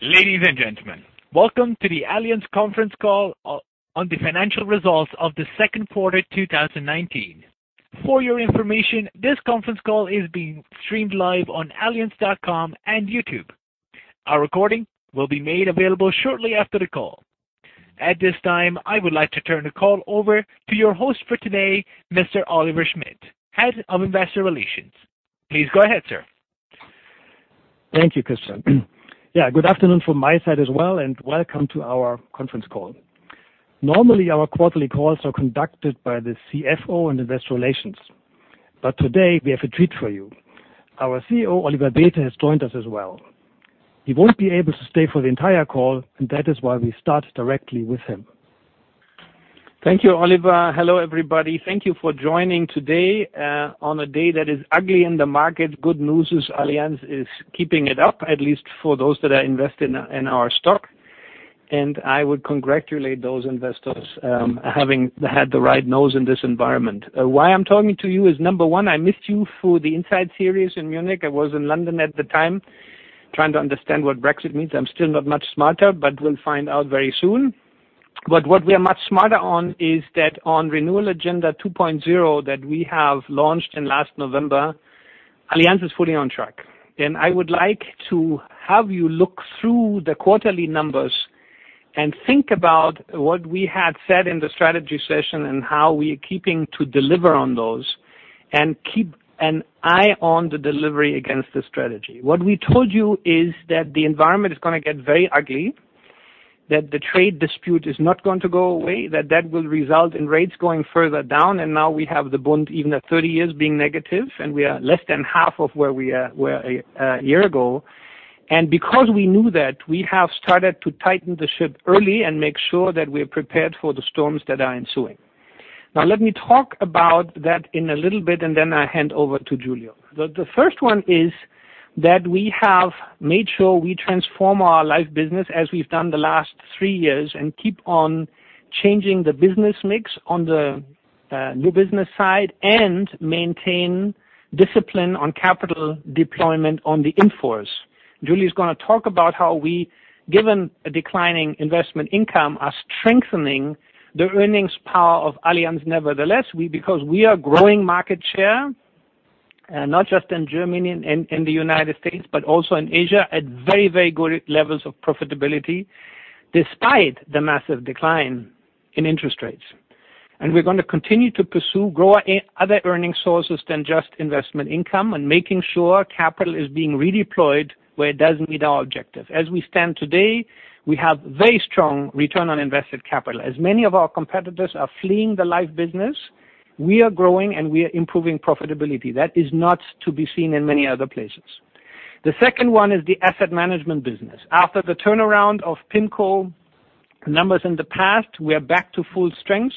Ladies and gentlemen, welcome to the Allianz conference call on the financial results of the second quarter 2019. For your information, this conference call is being streamed live on allianz.com and YouTube. A recording will be made available shortly after the call. At this time, I would like to turn the call over to your host for today, Mr. Oliver Schmidt, head of investor relations. Please go ahead, sir. Thank you, Christian. Good afternoon from my side as well, and welcome to our conference call. Normally, our quarterly calls are conducted by the CFO and investor relations. Today, we have a treat for you. Our CEO, Oliver Bäte, has joined us as well. He won't be able to stay for the entire call, that is why we start directly with him. Thank you, Oliver. Hello, everybody. Thank you for joining today, on a day that is ugly in the market. Good news is Allianz is keeping it up, at least for those that are invested in our stock. I would congratulate those investors having had the right nose in this environment. Why I'm talking to you is, number 1, I missed you for the Inside Allianz series in Munich. I was in London at the time, trying to understand what Brexit means. I'm still not much smarter, we'll find out very soon. What we are much smarter on is that on Renewal Agenda 2.0 that we have launched in last November, Allianz is fully on track. I would like to have you look through the quarterly numbers and think about what we had said in the strategy session and how we are keeping to deliver on those and keep an eye on the delivery against the strategy. What we told you is that the environment is going to get very ugly, that the trade dispute is not going to go away, that that will result in rates going further down. Now we have the Bund even at 30 years being negative, and we are less than half of where we were a year ago. Because we knew that, we have started to tighten the ship early and make sure that we're prepared for the storms that are ensuing. Let me talk about that in a little bit, and then I hand over to Giulio. The first one is that we have made sure we transform our life business as we've done the last 3 years and keep on changing the business mix on the new business side and maintain discipline on capital deployment on the in-force. Giulio is going to talk about how we, given a declining investment income, are strengthening the earnings power of Allianz nevertheless, because we are growing market share, not just in Germany and in the U.S., but also in Asia, at very good levels of profitability despite the massive decline in interest rates. We're going to continue to pursue other earning sources than just investment income and making sure capital is being redeployed where it does meet our objective. As we stand today, we have very strong return on invested capital. As many of our competitors are fleeing the life business, we are growing and we are improving profitability. That is not to be seen in many other places. The second one is the asset management business. After the turnaround of PIMCO numbers in the past, we are back to full strength.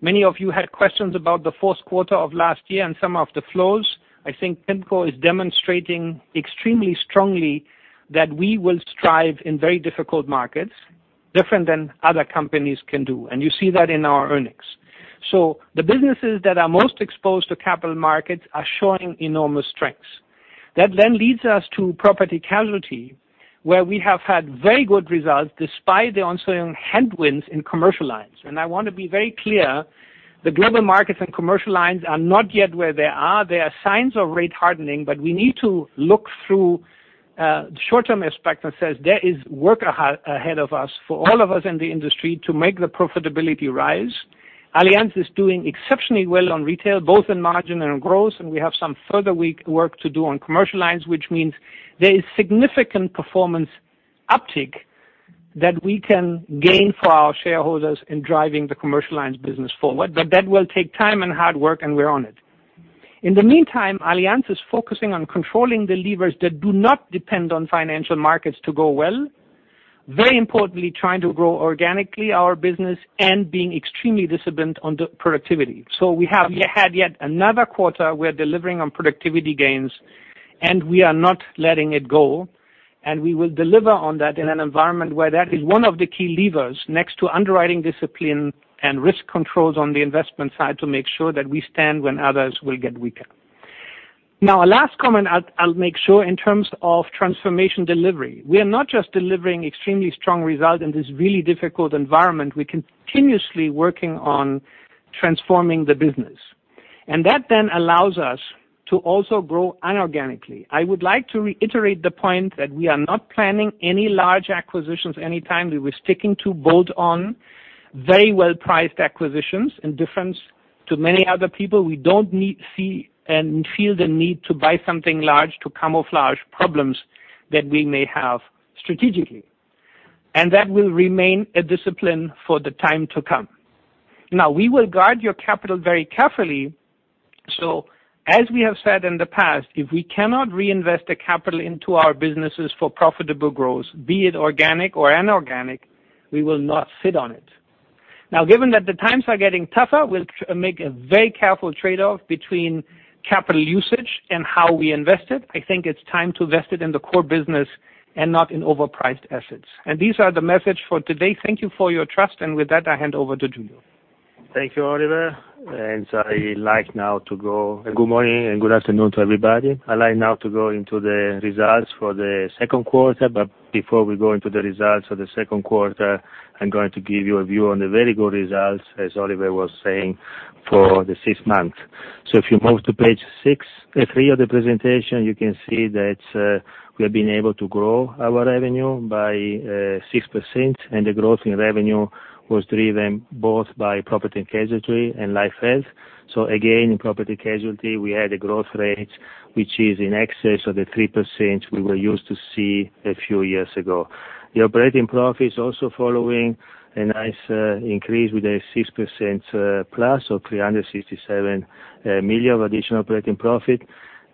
Many of you had questions about the fourth quarter of last year and some of the flows. I think PIMCO is demonstrating extremely strongly that we will strive in very difficult markets, different than other companies can do, and you see that in our earnings. The businesses that are most exposed to capital markets are showing enormous strengths. That leads us to property casualty, where we have had very good results despite the ensuing headwinds in commercial lines. I want to be very clear, the global markets and commercial lines are not yet where they are. There are signs of rate hardening, but we need to look through short-term aspect that says there is work ahead of us, for all of us in the industry, to make the profitability rise. Allianz is doing exceptionally well on retail, both in margin and in growth, and we have some further work to do on commercial lines, which means there is significant performance uptick that we can gain for our shareholders in driving the commercial lines business forward. That will take time and hard work, and we're on it. In the meantime, Allianz is focusing on controlling the levers that do not depend on financial markets to go well. Very importantly, trying to grow organically our business and being extremely disciplined on the productivity. We have had yet another quarter. We're delivering on productivity gains, and we are not letting it go, and we will deliver on that in an environment where that is one of the key levers next to underwriting discipline and risk controls on the investment side to make sure that we stand when others will get weaker. Now, last comment I'll make sure in terms of transformation delivery. We are not just delivering extremely strong result in this really difficult environment. We are continuously working on transforming the business. That then allows us to also grow inorganically. I would like to reiterate the point that we are not planning any large acquisitions anytime. We were sticking to bolt-on, very well priced acquisitions. In difference to many other people, we don't see and feel the need to buy something large to camouflage problems that we may have strategically. That will remain a discipline for the time to come. We will guard your capital very carefully. As we have said in the past, if we cannot reinvest the capital into our businesses for profitable growth, be it organic or inorganic, we will not sit on it. Given that the times are getting tougher, we'll make a very careful trade-off between capital usage and how we invest it. I think it's time to invest it in the core business and not in overpriced assets. These are the message for today. Thank you for your trust, and with that, I hand over to Giulio. Thank you, Oliver. I'd like now to go Good morning and good afternoon to everybody. I'd like now to go into the results for the second quarter, before we go into the results of the second quarter, I'm going to give you a view on the very good results, as Oliver was saying, for the six months. If you move to page 63 of the presentation, you can see that we have been able to grow our revenue by 6%, and the growth in revenue was driven both by property and casualty and life health. Again, in property and casualty, we had a growth rate, which is in excess of the 3% we were used to see a few years ago. The operating profit is also following a nice increase with a 6% plus of 367 million of additional operating profit.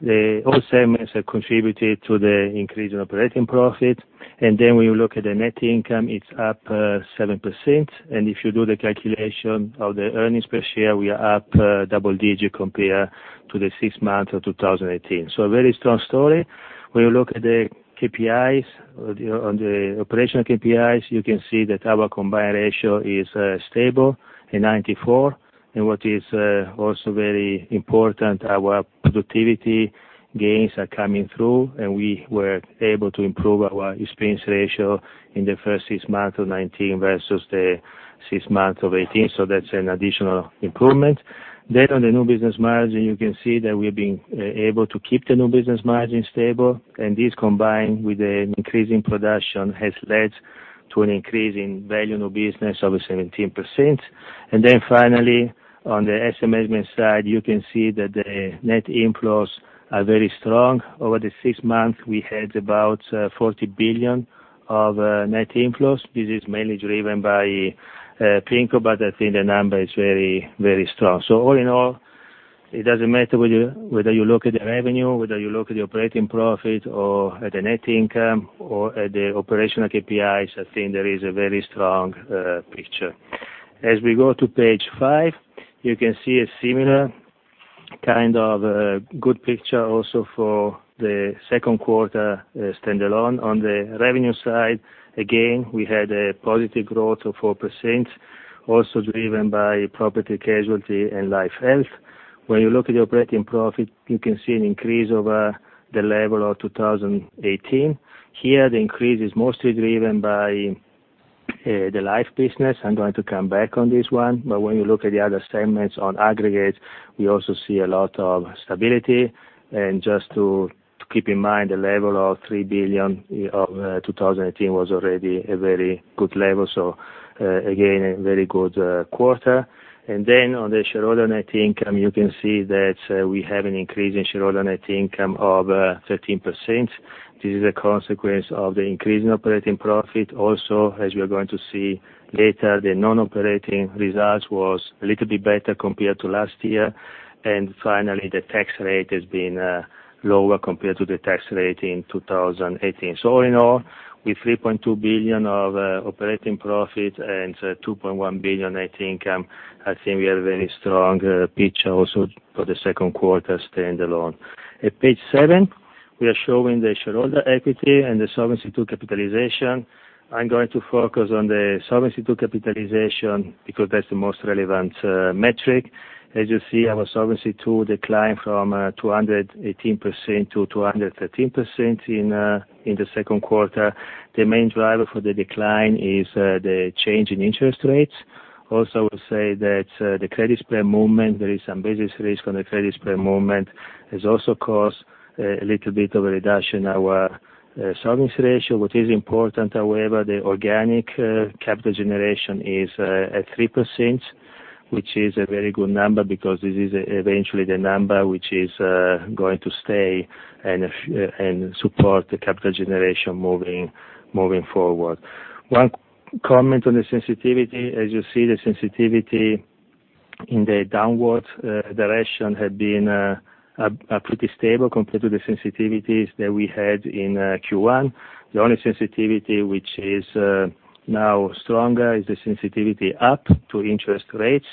All segments have contributed to the increase in operating profit. When you look at the net income, it's up 7%. If you do the calculation of the earnings per share, we are up double digits compared to the six months of 2018. A very strong story. When you look at the KPIs, on the operational KPIs, you can see that our combined ratio is stable at 94%. What is also very important, our productivity gains are coming through, and we were able to improve our expense ratio in the first six months of 2019 versus the six months of 2018. That's an additional improvement. On the new business margin, you can see that we've been able to keep the new business margin stable, and this combined with an increase in production has led to an increase in value in our business of 17%. On the asset management side, you can see that the net inflows are very strong. Over the six months, we had about 40 billion of net inflows. This is mainly driven by PIMCO, but I think the number is very strong. It doesn't matter whether you look at the revenue, whether you look at the operating profit or at the net income or at the operational KPIs, I think there is a very strong picture. You can see a similar kind of good picture also for the second quarter standalone. On the revenue side, again, we had a positive growth of 4%, also driven by P&C and Life Health. You can see an increase over the level of 2018. Here, the increase is mostly driven by the life business. I'm going to come back on this one. When you look at the other segments on aggregate, we also see a lot of stability. Just to keep in mind, the level of 3 billion of 2018 was already a very good level. Again, a very good quarter. On the shareholder net income, you can see that we have an increase in shareholder net income of 13%. This is a consequence of the increase in operating profit. As we are going to see later, the non-operating results was a little bit better compared to last year. Finally, the tax rate has been lower compared to the tax rate in 2018. All in all, with 3.2 billion of operating profit and 2.1 billion net income, I think we have a very strong picture also for the second quarter standalone. At page seven, we are showing the shareholder equity and the Solvency II capitalization. I'm going to focus on the Solvency II capitalization because that's the most relevant metric. As you see, our Solvency II declined from 218% to 213% in the second quarter. The main driver for the decline is the change in interest rates. I would say that the credit spread movement, there is some business risk on the credit spread movement, has also caused a little bit of a reduction in our solvency ratio. What is important, however, the organic capital generation is at 3%, which is a very good number because this is eventually the number which is going to stay and support the capital generation moving forward. One comment on the sensitivity. As you see, the sensitivity in the downward direction had been pretty stable compared to the sensitivities that we had in Q1. The only sensitivity which is now stronger is the sensitivity up to interest rates,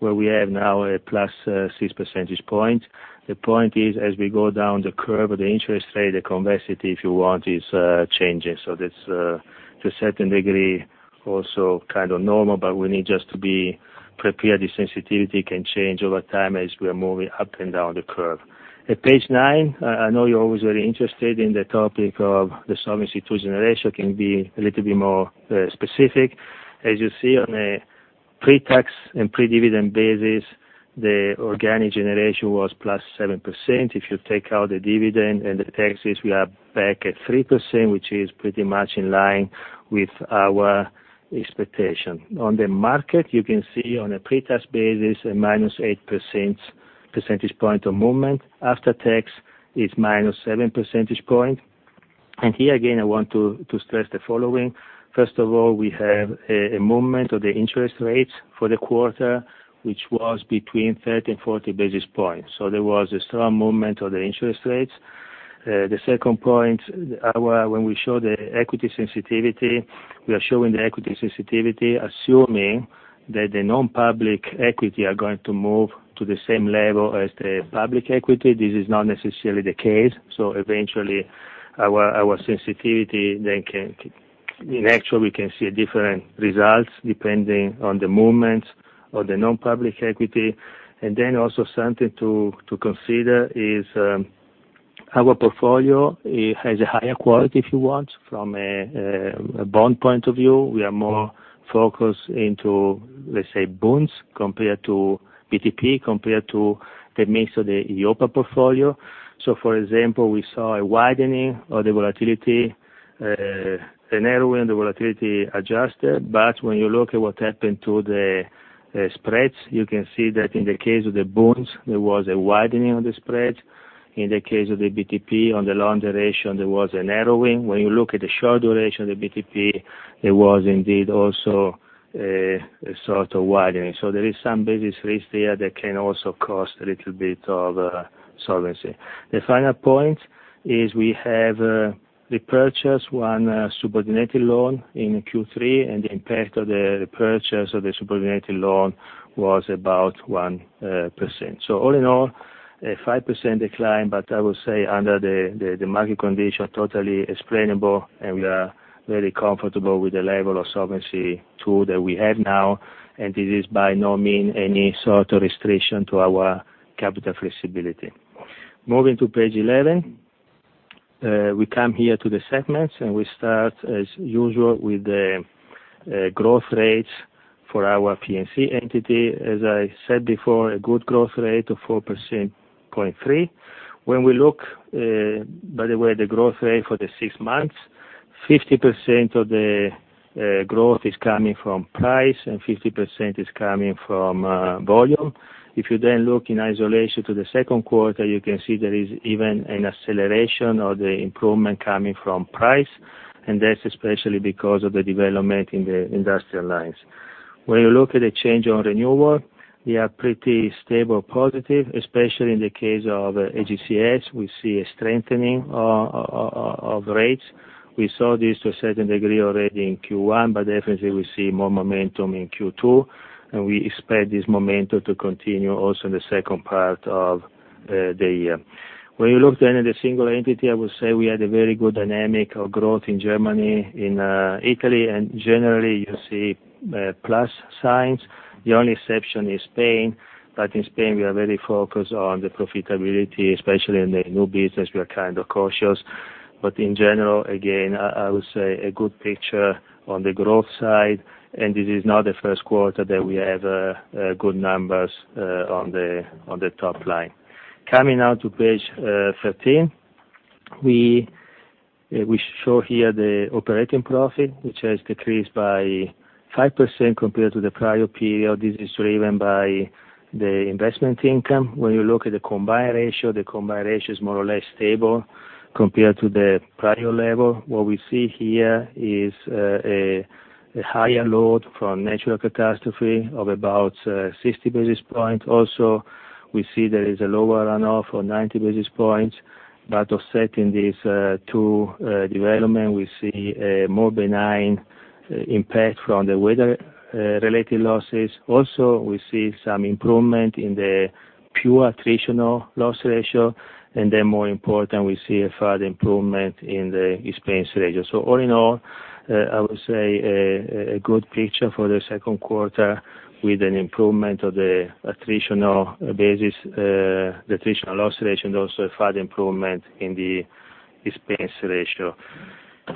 where we have now a plus six percentage point. The point is, as we go down the curve of the interest rate, the convexity, if you want, is changing. That's to a certain degree, also kind of normal, but we need just to be prepared. The sensitivity can change over time as we are moving up and down the curve. At page nine, I know you're always very interested in the topic of the Solvency II generation. I can be a little bit more specific. As you see on a pre-tax and pre-dividend basis, the organic generation was plus 7%. If you take out the dividend and the taxes, we are back at 3%, which is pretty much in line with our expectation. On the market, you can see on a pre-tax basis, a minus 8% percentage point of movement. After tax, it's minus 7 percentage point. Here again, I want to stress the following. First of all, we have a movement of the interest rates for the quarter, which was between 30 and 40 basis points. There was a strong movement of the interest rates. The second point, when we show the equity sensitivity, we are showing the equity sensitivity, assuming that the non-public equity are going to move to the same level as the public equity. This is not necessarily the case. Eventually, our sensitivity then In actual, we can see different results depending on the movements of the non-public equity. Also something to consider is our portfolio has a higher quality, if you want, from a bond point of view. We are more focused into, let's say, bonds compared to BTP, compared to the mix of the Europa portfolio. For example, we saw a widening of the volatility, a narrowing in the volatility adjustment. When you look at what happened to the spreads, you can see that in the case of the bonds, there was a widening of the spread. In the case of the BTP, on the long duration, there was a narrowing. When you look at the short duration of the BTP, there was indeed also a sort of widening. There is some basis risk there that can also cost a little bit of solvency. The final point is we have repurchased one subordinated loan in Q3, and the impact of the repurchase of the subordinated loan was about 1%. All in all, a 5% decline, but I would say under the market condition, totally explainable, and we are very comfortable with the level of Solvency II that we have now, and it is by no means any sort of restriction to our capital flexibility. Moving to page 11. We come here to the segments, and we start as usual with the growth rates for our P&C entity. As I said before, a good growth rate of 4.3%. When we look, by the way, the growth rate for the six months, 50% of the growth is coming from price and 50% is coming from volume. If you then look in isolation to the second quarter, you can see there is even an acceleration of the improvement coming from price, and that's especially because of the development in the industrial lines. When you look at the change on renewal, we are pretty stable positive, especially in the case of AGCS. We see a strengthening of rates. We saw this to a certain degree already in Q1, but definitely we see more momentum in Q2, and we expect this momentum to continue also in the second part of the year. When you look at the single entity, I would say we had a very good dynamic of growth in Germany, in Italy, and generally, you see plus signs. The only exception is Spain. In Spain, we are very focused on the profitability, especially in the new business, we are kind of cautious. In general, again, I would say a good picture on the growth side, and this is not the first quarter that we have good numbers on the top line. Coming now to page 13. We show here the operating profit, which has decreased by 5% compared to the prior period. This is driven by the investment income. When you look at the combined ratio, the combined ratio is more or less stable compared to the prior level. What we see here is a higher load from natural catastrophe of about 60 basis points. Also, we see there is a lower runoff of 90 basis points. Offsetting these two developments, we see a more benign impact from the weather-related losses. Also, we see some improvement in the pure attritional loss ratio, and then more important, we see a further improvement in the expense ratio. All in all, I would say a good picture for the second quarter with an improvement of the attritional basis, the attritional loss ratio, and also a further improvement in the expense ratio.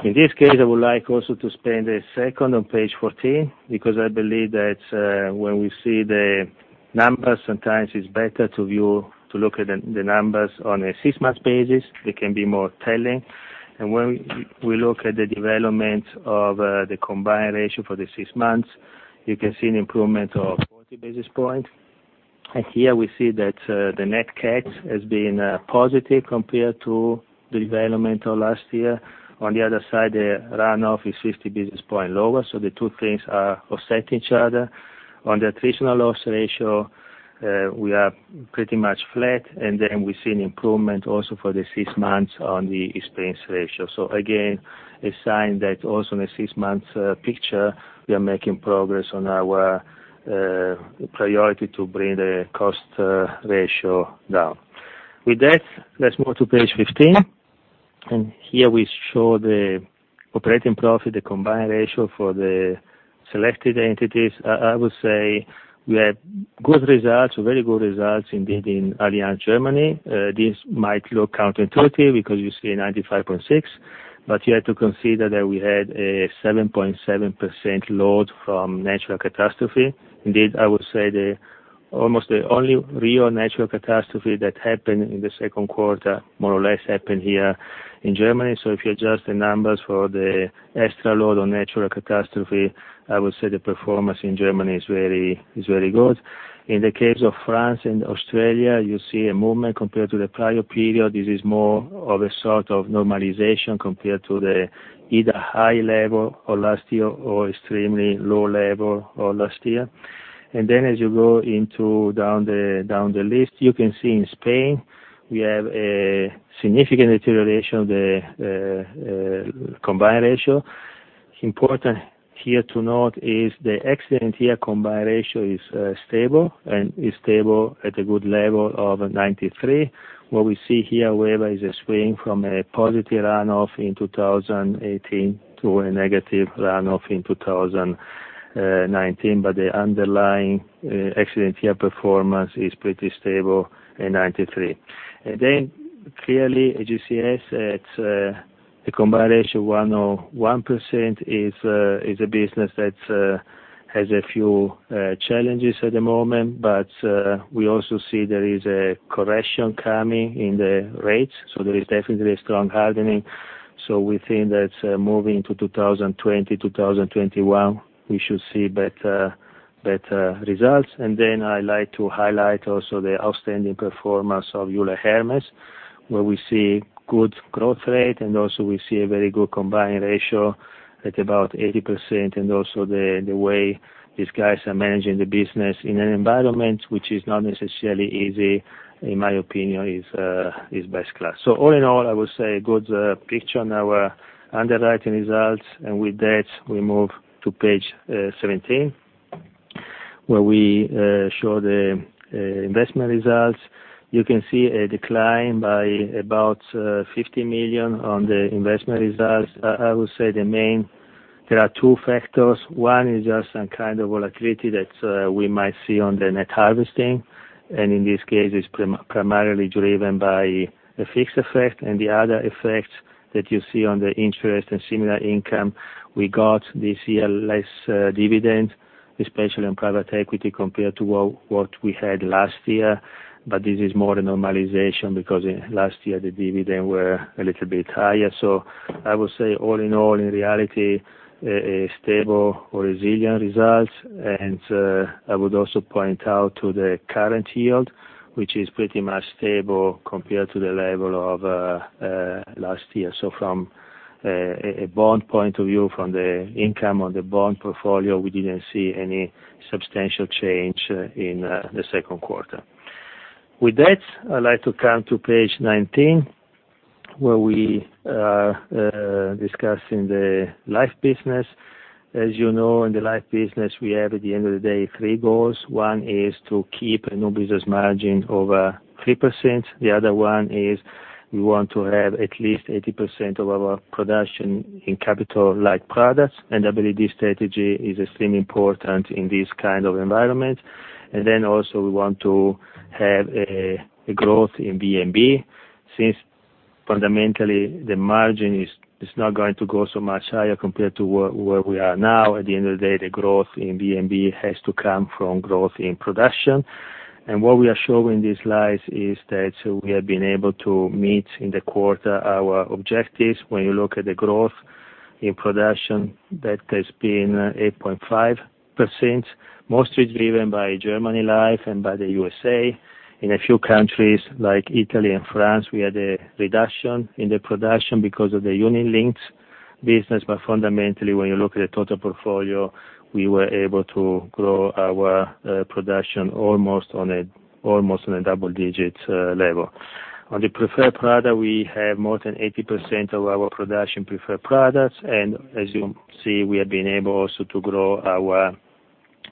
In this case, I would like also to spend a second on page 14, because I believe that when we see the numbers, sometimes it's better to look at the numbers on a six-month basis. They can be more telling. When we look at the development of the combined ratio for the six months, you can see an improvement of 40 basis points. Here we see that the net CAT has been positive compared to the development of last year. On the other side, the runoff is 50 basis points lower, so the two things are offsetting each other. On the attritional loss ratio, we are pretty much flat, and then we see an improvement also for the six months on the expense ratio. Again, a sign that also in a six-month picture, we are making progress on our priority to bring the cost ratio down. With that, let's move to page 15. Here we show the operating profit, the combined ratio for the selected entities. I would say we have good results, very good results indeed in Allianz Germany. This might look counterintuitive because you see 95.6, but you have to consider that we had a 7.7% load from natural catastrophe. Indeed, I would say almost the only real natural catastrophe that happened in the second quarter, more or less happened here in Germany. If you adjust the numbers for the extra load on natural catastrophe, I would say the performance in Germany is very good. In the case of France and Australia, you see a movement compared to the prior period. This is more of a sort of normalization compared to the either high level of last year or extremely low level of last year. As you go into down the list, you can see in Spain, we have a significant deterioration of the combined ratio. Important here to note is the accident year combined ratio is stable, is stable at a good level of 93. What we see here, however, is a swing from a positive runoff in 2018 to a negative runoff in 2019. The underlying accident year performance is pretty stable at 93. Clearly, AGCS, it's a combined ratio of 101% is a business that has a few challenges at the moment, we also see there is a correction coming in the rates, there is definitely a strong hardening. We think that moving to 2020, 2021, we should see better results. Then I like to highlight also the outstanding performance of Euler Hermes, where we see good growth rate, and also we see a very good combined ratio at about 80%. Also the way these guys are managing the business in an environment which is not necessarily easy, in my opinion, is best class. All in all, I would say good picture on our underwriting results. With that, we move to page 17, where we show the investment results. You can see a decline by about 50 million on the investment results. I would say the main, there are two factors. One is just some kind of volatility that we might see on the net harvesting. In this case, it's primarily driven by a fixed effect and the other effect that you see on the interest and similar income. We got this year less dividends, especially on private equity, compared to what we had last year. This is more a normalization because last year the dividend were a little bit higher. I would say all in all, in reality, a stable or resilient result. I would also point out to the current yield, which is pretty much stable compared to the level of last year. From a bond point of view, from the income on the bond portfolio, we didn't see any substantial change in the second quarter. With that, I'd like to come to page 19, where we are discussing the life business. As you know, in the life business, we have, at the end of the day, three goals. One is to keep a new business margin over 3%. The other one is we want to have at least 80% of our production in capital-like products. I believe this strategy is extremely important in this kind of environment. Also we want to have a growth in VNB. Since fundamentally the margin is not going to go so much higher compared to where we are now. At the end of the day, the growth in VNB has to come from growth in production. What we are showing these slides is that we have been able to meet in the quarter our objectives. When you look at the growth in production, that has been 8.5%. Mostly it's driven by Allianz Leben and by the USA. In a few countries, like Italy and France, we had a reduction in the production because of the unit linked business. Fundamentally, when you look at the total portfolio, we were able to grow our production almost on a double-digit level. On the preferred product, we have more than 80% of our production preferred products. As you see, we have been able also to grow our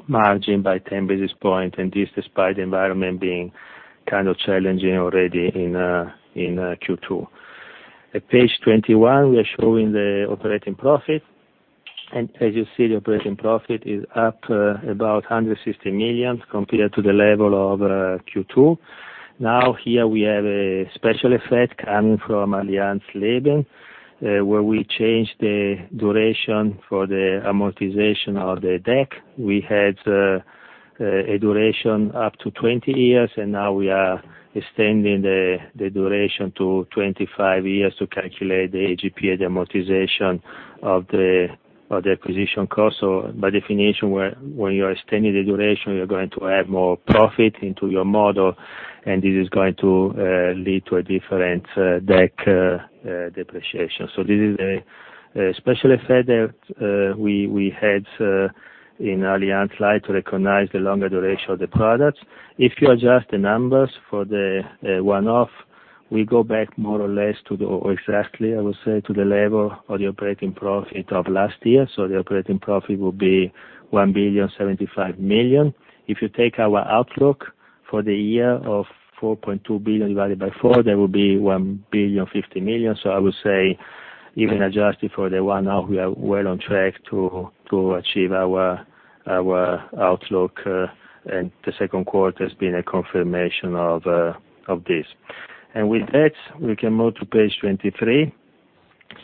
margin by 10 basis points, and this despite the environment being kind of challenging already in Q2. At page 21, we are showing the operating profit. As you see, the operating profit is up about 160 million compared to the level of Q2. Now, here we have a special effect coming from Allianz Leben, where we changed the duration for the amortization of the DAC. We had a duration up to 20 years, and now we are extending the duration to 25 years to calculate the AGP, the amortization of the acquisition cost. By definition, when you are extending the duration, you are going to add more profit into your model, and this is going to lead to a different DAC depreciation. This is a special effect that we had in Allianz Life to recognize the longer duration of the products. If you adjust the numbers for the one-off, we go back more or less to the, or exactly, I would say, to the level of the operating profit of last year. The operating profit will be 1 billion, 75 million. If you take our outlook for the year of 4.2 billion divided by four, that would be 1 billion, 50 million. I would say even adjusted for the one-off, we are well on track to achieve our outlook, and the second quarter has been a confirmation of this. With that, we can move to page 23.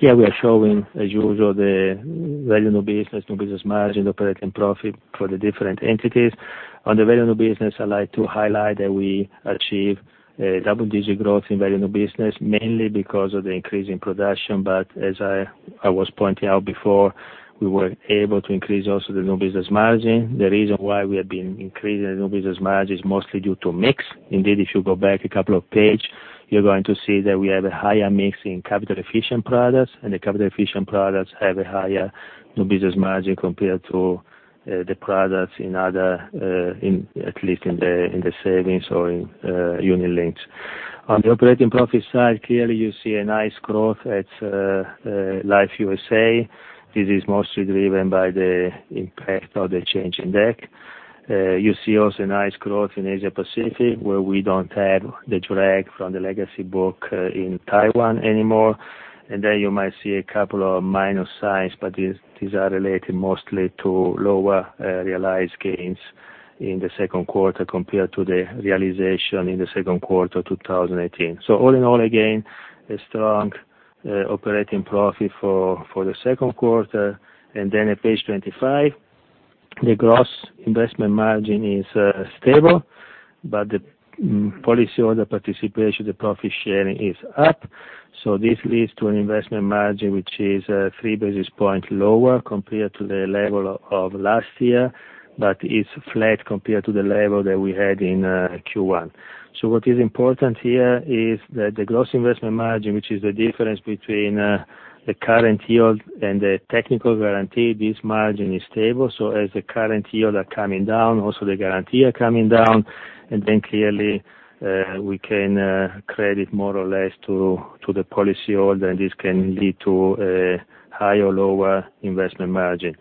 Here we are showing, as usual, the value new business, new business margin, operating profit for the different entities. On the value new business, I like to highlight that we achieve double-digit growth in value new business, mainly because of the increase in production. As I was pointing out before, we were able to increase also the new business margin. The reason why we have been increasing the new business margin is mostly due to mix. Indeed, if you go back a couple of page, you're going to see that we have a higher mix in capital efficient products, and the capital efficient products have a higher new business margin compared to the products in other, at least in the savings or in unit links. On the operating profit side, clearly you see a nice growth at Allianz Life. This is mostly driven by the impact of the change in DAC. You see also nice growth in Asia Pacific, where we don't have the drag from the legacy book in Taiwan anymore. There you might see a couple of minor signs, but these are related mostly to lower realized gains in the second quarter compared to the realization in the second quarter of 2018. All in all, again, a strong operating profit for the second quarter. At page 25, the gross investment margin is stable, but the policy owner participation, the profit sharing is up. This leads to an investment margin, which is three basis points lower compared to the level of last year, but is flat compared to the level that we had in Q1. What is important here is that the gross investment margin, which is the difference between the current yield and the technical guarantee, this margin is stable. As the current yields are coming down, also the guarantee are coming down, clearly, we can credit more or less to the policyholder, and this can lead to a higher or lower investment margin.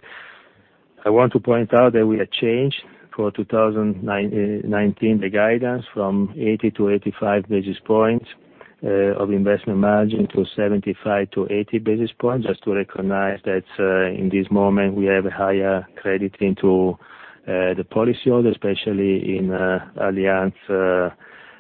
I want to point out that we have changed for 2019, the guidance from 80-85 basis points of investment margin to 75-80 basis points, just to recognize that in this moment we have higher credit into the policyholders, especially in Allianz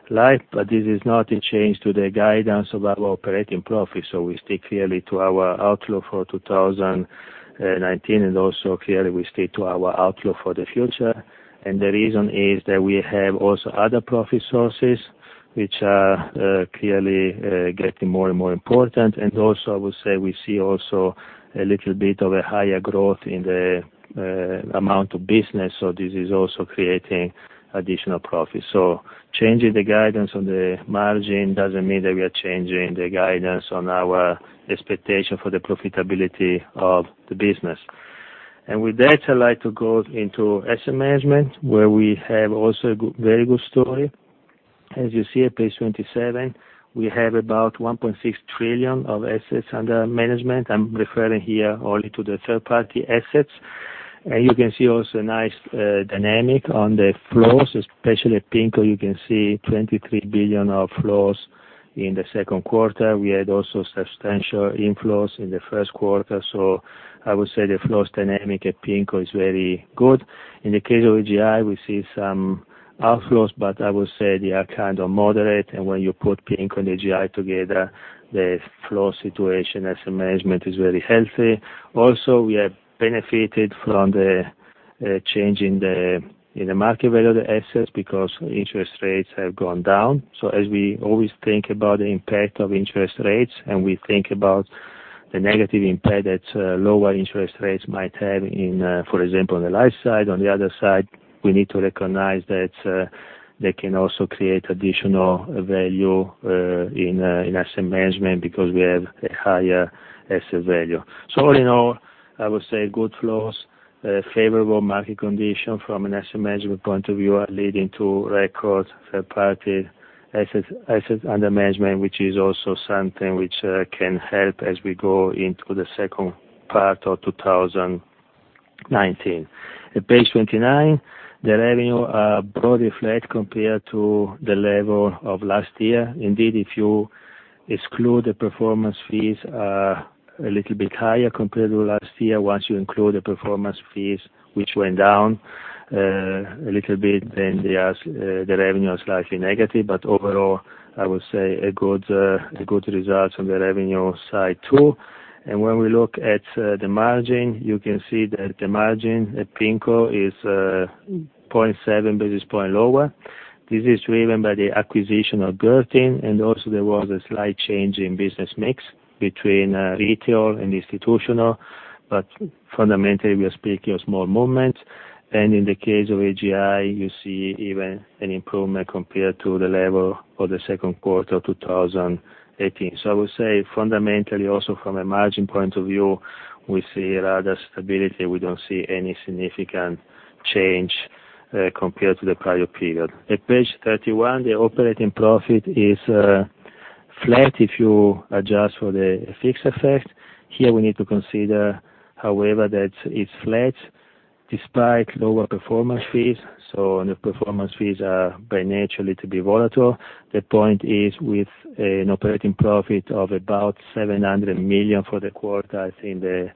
Life. This is not a change to the guidance of our operating profit. We stick clearly to our outlook for 2019 and also clearly we stick to our outlook for the future. The reason is that we have also other profit sources, which are clearly getting more and more important. Also, I would say we see also a little bit of a higher growth in the amount of business. This is also creating additional profit. Changing the guidance on the margin doesn't mean that we are changing the guidance on our expectation for the profitability of the business. With that, I'd like to go into asset management, where we have also a very good story. As you see at page 27, we have about 1.6 trillion of assets under management. I'm referring here only to the third-party assets. You can see also a nice dynamic on the flows, especially at PIMCO, you can see 23 billion of flows in the second quarter. We had also substantial inflows in the first quarter. I would say the flows dynamic at PIMCO is very good. In the case of AGI, we see some outflows, but I would say they are kind of moderate. When you put PIMCO and AGI together, the flow situation asset management is very healthy. Also, we have benefited from the change in the market value of the assets because interest rates have gone down. As we always think about the impact of interest rates, and we think about the negative impact that lower interest rates might have in, for example, on the life side, on the other side, we need to recognize that they can also create additional value in asset management because we have a higher asset value. All in all, I would say good flows, favorable market condition from an asset management point of view are leading to record third party assets under management, which is also something which can help as we go into the second part of 2019. At page 29, the revenue are broadly flat compared to the level of last year. Indeed, if you exclude the performance fees are a little bit higher compared to last year. Once you include the performance fees, which went down a little bit, then the revenue is slightly negative. Overall, I would say a good result on the revenue side, too. When we look at the margin, you can see that the margin at PIMCO is 0.7 basis point lower. This is driven by the acquisition of Gurtin, also there was a slight change in business mix between retail and institutional, fundamentally, we are speaking of small movements. In the case of AGI, you see even an improvement compared to the level for the second quarter of 2018. I would say fundamentally also from a margin point of view, we see rather stability. We don't see any significant change compared to the prior period. At page 31, the operating profit is flat if you adjust for the fixed effect. Here we need to consider, however, that it's flat despite lower performance fees. The performance fees are by nature a little bit volatile. The point is with an operating profit of about 700 million for the quarter, I think the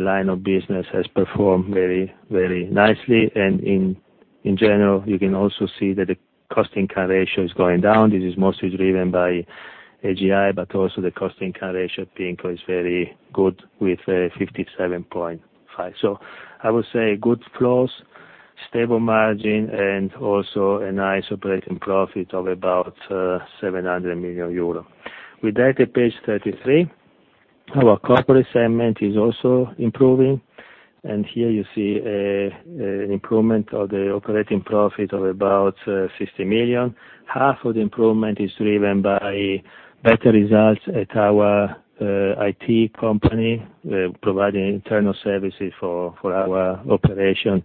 line of business has performed very nicely. In general, you can also see that the cost-income ratio is going down. This is mostly driven by AGI, the cost-income ratio at PIMCO is very good with 57.5. I would say good flows, stable margin, and also a nice operating profit of about 700 million euro. With that, at page 33, our Corporate segment is also improving. Here you see an improvement of the operating profit of about 60 million. Half of the improvement is driven by better results at our IT company, providing internal services for our operation.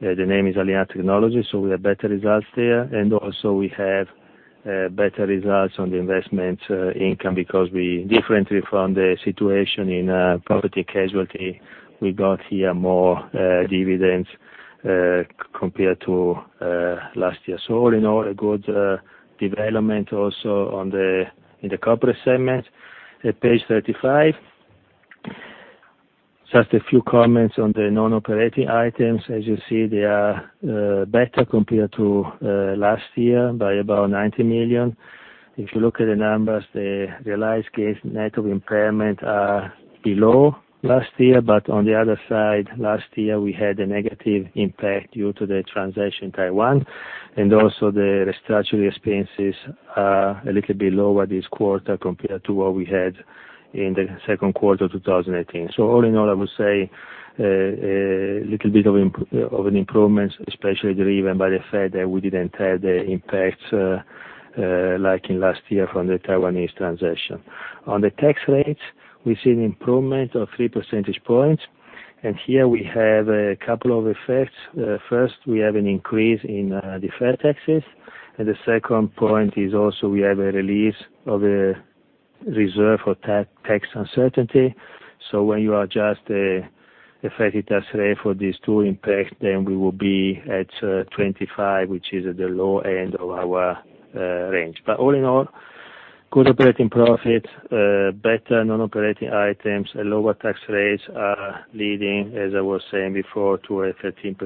The name is Allianz Technology, we have better results there. Also we have better results on the investment income because we, differently from the situation in property and casualty, we got here more dividends compared to last year. All in all, a good development also in the Corporate segment. At page 35, just a few comments on the non-operating items. As you see, they are better compared to last year by about 90 million. If you look at the numbers, the realized case net of impairment are below last year, but on the other side, last year, we had a negative impact due to the transaction in Taiwan, and also the structural expenses are a little bit lower this quarter compared to what we had in the second quarter 2018. All in all, I would say a little bit of an improvement, especially driven by the fact that we didn't have the impacts like in last year from the Taiwanese transaction. On the tax rate, we see an improvement of three percentage points. Here we have a couple of effects. First, we have an increase in deferred taxes, and the second point is also we have a release of a reserve for tax uncertainty. When you adjust the effective tax rate for these two impacts, we will be at 25, which is at the low end of our range. All in all, good operating profit, better non-operating items and lower tax rates are leading, as I was saying before, to a 13%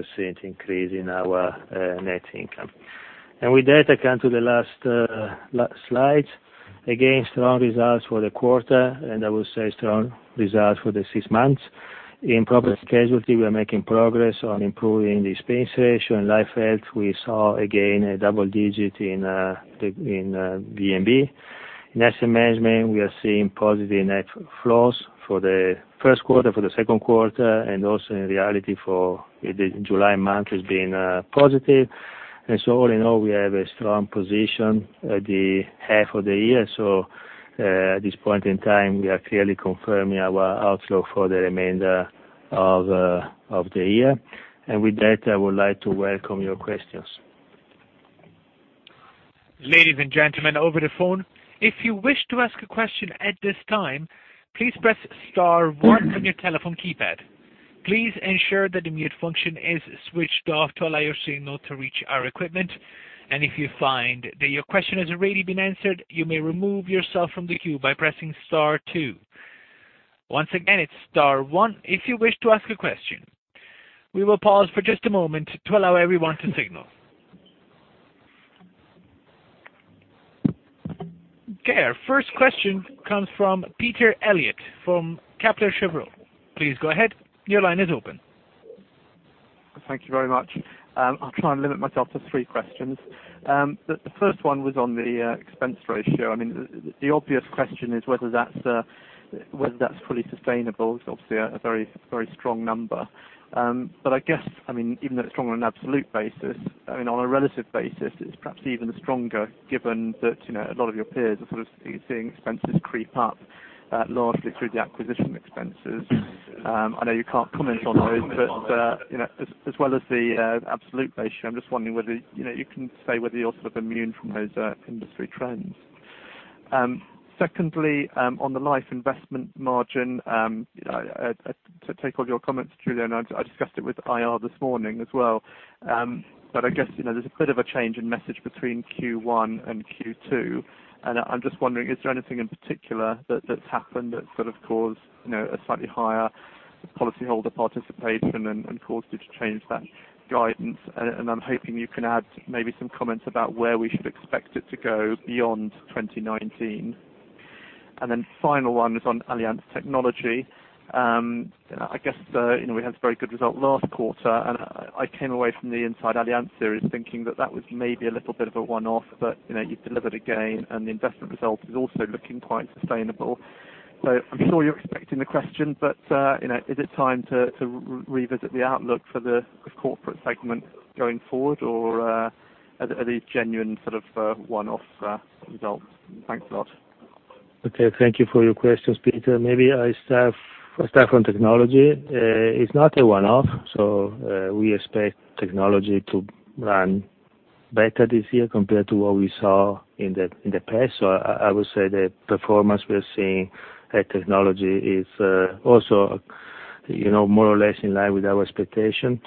increase in our net income. With that, I come to the last slide. Again, strong results for the quarter, and I would say strong results for the six months. In Property and Casualty, we are making progress on improving the expense ratio. In Life Health, we saw again a double digit in VNB. In asset management, we are seeing positive net flows for the first quarter, for the second quarter, and also in reality for the July month has been positive. All in all, we have a strong position at the half of the year. At this point in time, we are clearly confirming our outlook for the remainder of the year. With that, I would like to welcome your questions. Ladies and gentlemen over the phone, if you wish to ask a question at this time, please press star one on your telephone keypad. Please ensure that the mute function is switched off to allow your signal to reach our equipment. If you find that your question has already been answered, you may remove yourself from the queue by pressing star two. Once again, it's star one if you wish to ask a question. We will pause for just a moment to allow everyone to signal. Okay. Our first question comes from Peter Eliot from Kepler Cheuvreux. Please go ahead. Your line is open. Thank you very much. I'll try and limit myself to three questions. The first one was on the expense ratio. The obvious question is whether that's fully sustainable. It's obviously a very strong number. I guess, even though it's strong on an absolute basis, on a relative basis, it's perhaps even stronger given that a lot of your peers are sort of seeing expenses creep up largely through the acquisition expenses. I know you can't comment on those, but as well as the absolute ratio, I'm just wondering whether you can say whether you're sort of immune from those industry trends. Secondly, on the life investment margin, to take all your comments, Giulio, I discussed it with IR this morning as well. I guess there's a bit of a change in message between Q1 and Q2. I'm just wondering, is there anything in particular that's happened that sort of caused a slightly higher policyholder participation and caused you to change that guidance? I'm hoping you can add maybe some comments about where we should expect it to go beyond 2019. The final one is on Allianz Technology. I guess, we had a very good result last quarter, and I came away from the Inside Allianz Series thinking that that was maybe a little bit of a one-off, but you've delivered again, and the investment result is also looking quite sustainable. I'm sure you're expecting the question, but is it time to revisit the outlook for the corporate segment going forward, or are these genuine sort of one-off results? Thanks a lot. Okay. Thank you for your questions, Peter. Maybe I start from technology. We expect technology to run better this year compared to what we saw in the past. I would say the performance we are seeing at technology is also more or less in line with our expectation.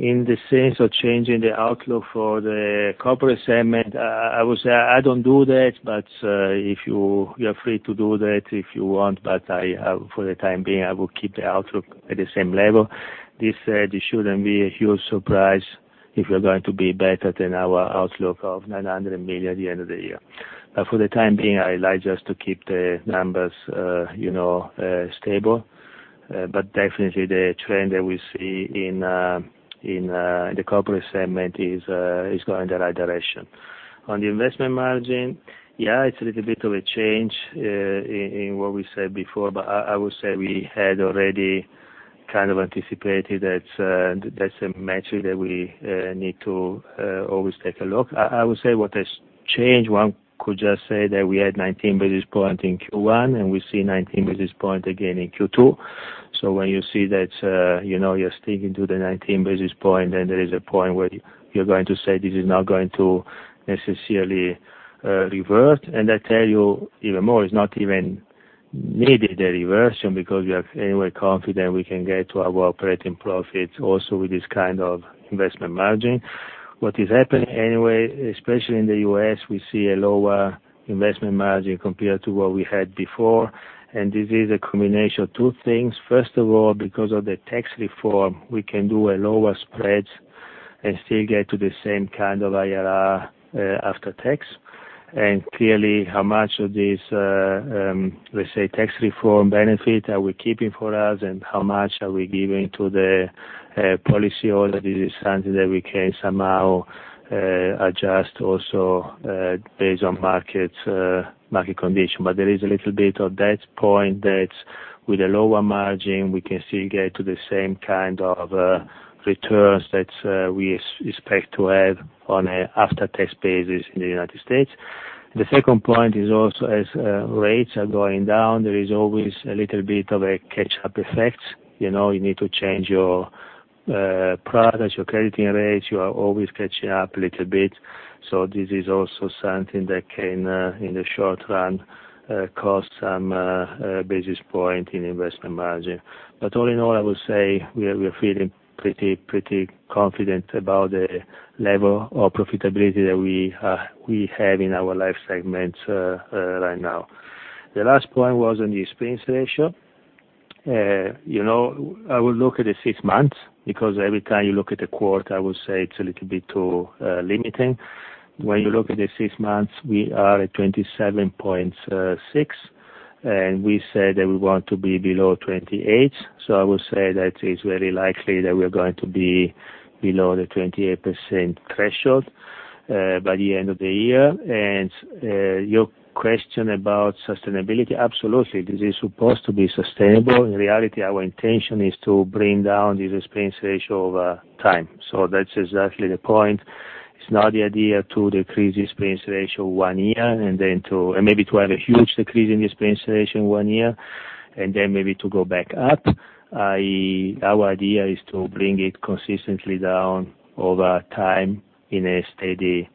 In the sense of changing the outlook for the corporate segment, I would say I don't do that, but you are free to do that if you want. For the time being, I will keep the outlook at the same level. This said, it shouldn't be a huge surprise if we are going to be better than our outlook of 900 million at the end of the year. For the time being, I like just to keep the numbers stable. Definitely the trend that we see in the corporate segment is going in the right direction. On the investment margin, yeah, it's a little bit of a change in what we said before, but I would say we had already kind of anticipated that that's a metric that we need to always take a look. I would say what has changed. One could just say that we had 19 basis points in Q1, and we see 19 basis points again in Q2. When you see that, you're sticking to the 19 basis points, then there is a point where you're going to say this is not going to necessarily revert. I tell you even more, it's not even needed, the reversion, because we are anyway confident we can get to our operating profit also with this kind of investment margin. What is happening anyway, especially in the U.S., we see a lower investment margin compared to what we had before. This is a combination of two things. First of all, because of the tax reform, we can do a lower spread and still get to the same kind of IRR after tax. Clearly, how much of this, let's say, tax reform benefit are we keeping for us and how much are we giving to the policyholder. This is something that we can somehow adjust also based on market condition. There is a little bit of that point that with a lower margin, we can still get to the same kind of returns that we expect to have on a after-tax basis in the United States. The second point is also as rates are going down, there is always a little bit of a catch-up effect. You need to change your products, your crediting rates. You are always catching up a little bit. This is also something that can, in the short run, cost some basis point in investment margin. All in all, I would say we are feeling pretty confident about the level of profitability that we have in our life segments right now. The last point was on the expense ratio. I would look at the six months, because every time you look at a quarter, I would say it's a little bit too limiting. When you look at the six months, we are at 27.6%, and we said that we want to be below 28%. I would say that it's very likely that we are going to be below the 28% threshold by the end of the year. Your question about sustainability, absolutely. This is supposed to be sustainable. In reality, our intention is to bring down this expense ratio over time. That's exactly the point. It's not the idea to decrease expense ratio one year and maybe to have a huge decrease in the expense ratio in one year, and then maybe to go back up. Our idea is to bring it consistently down over time in a steady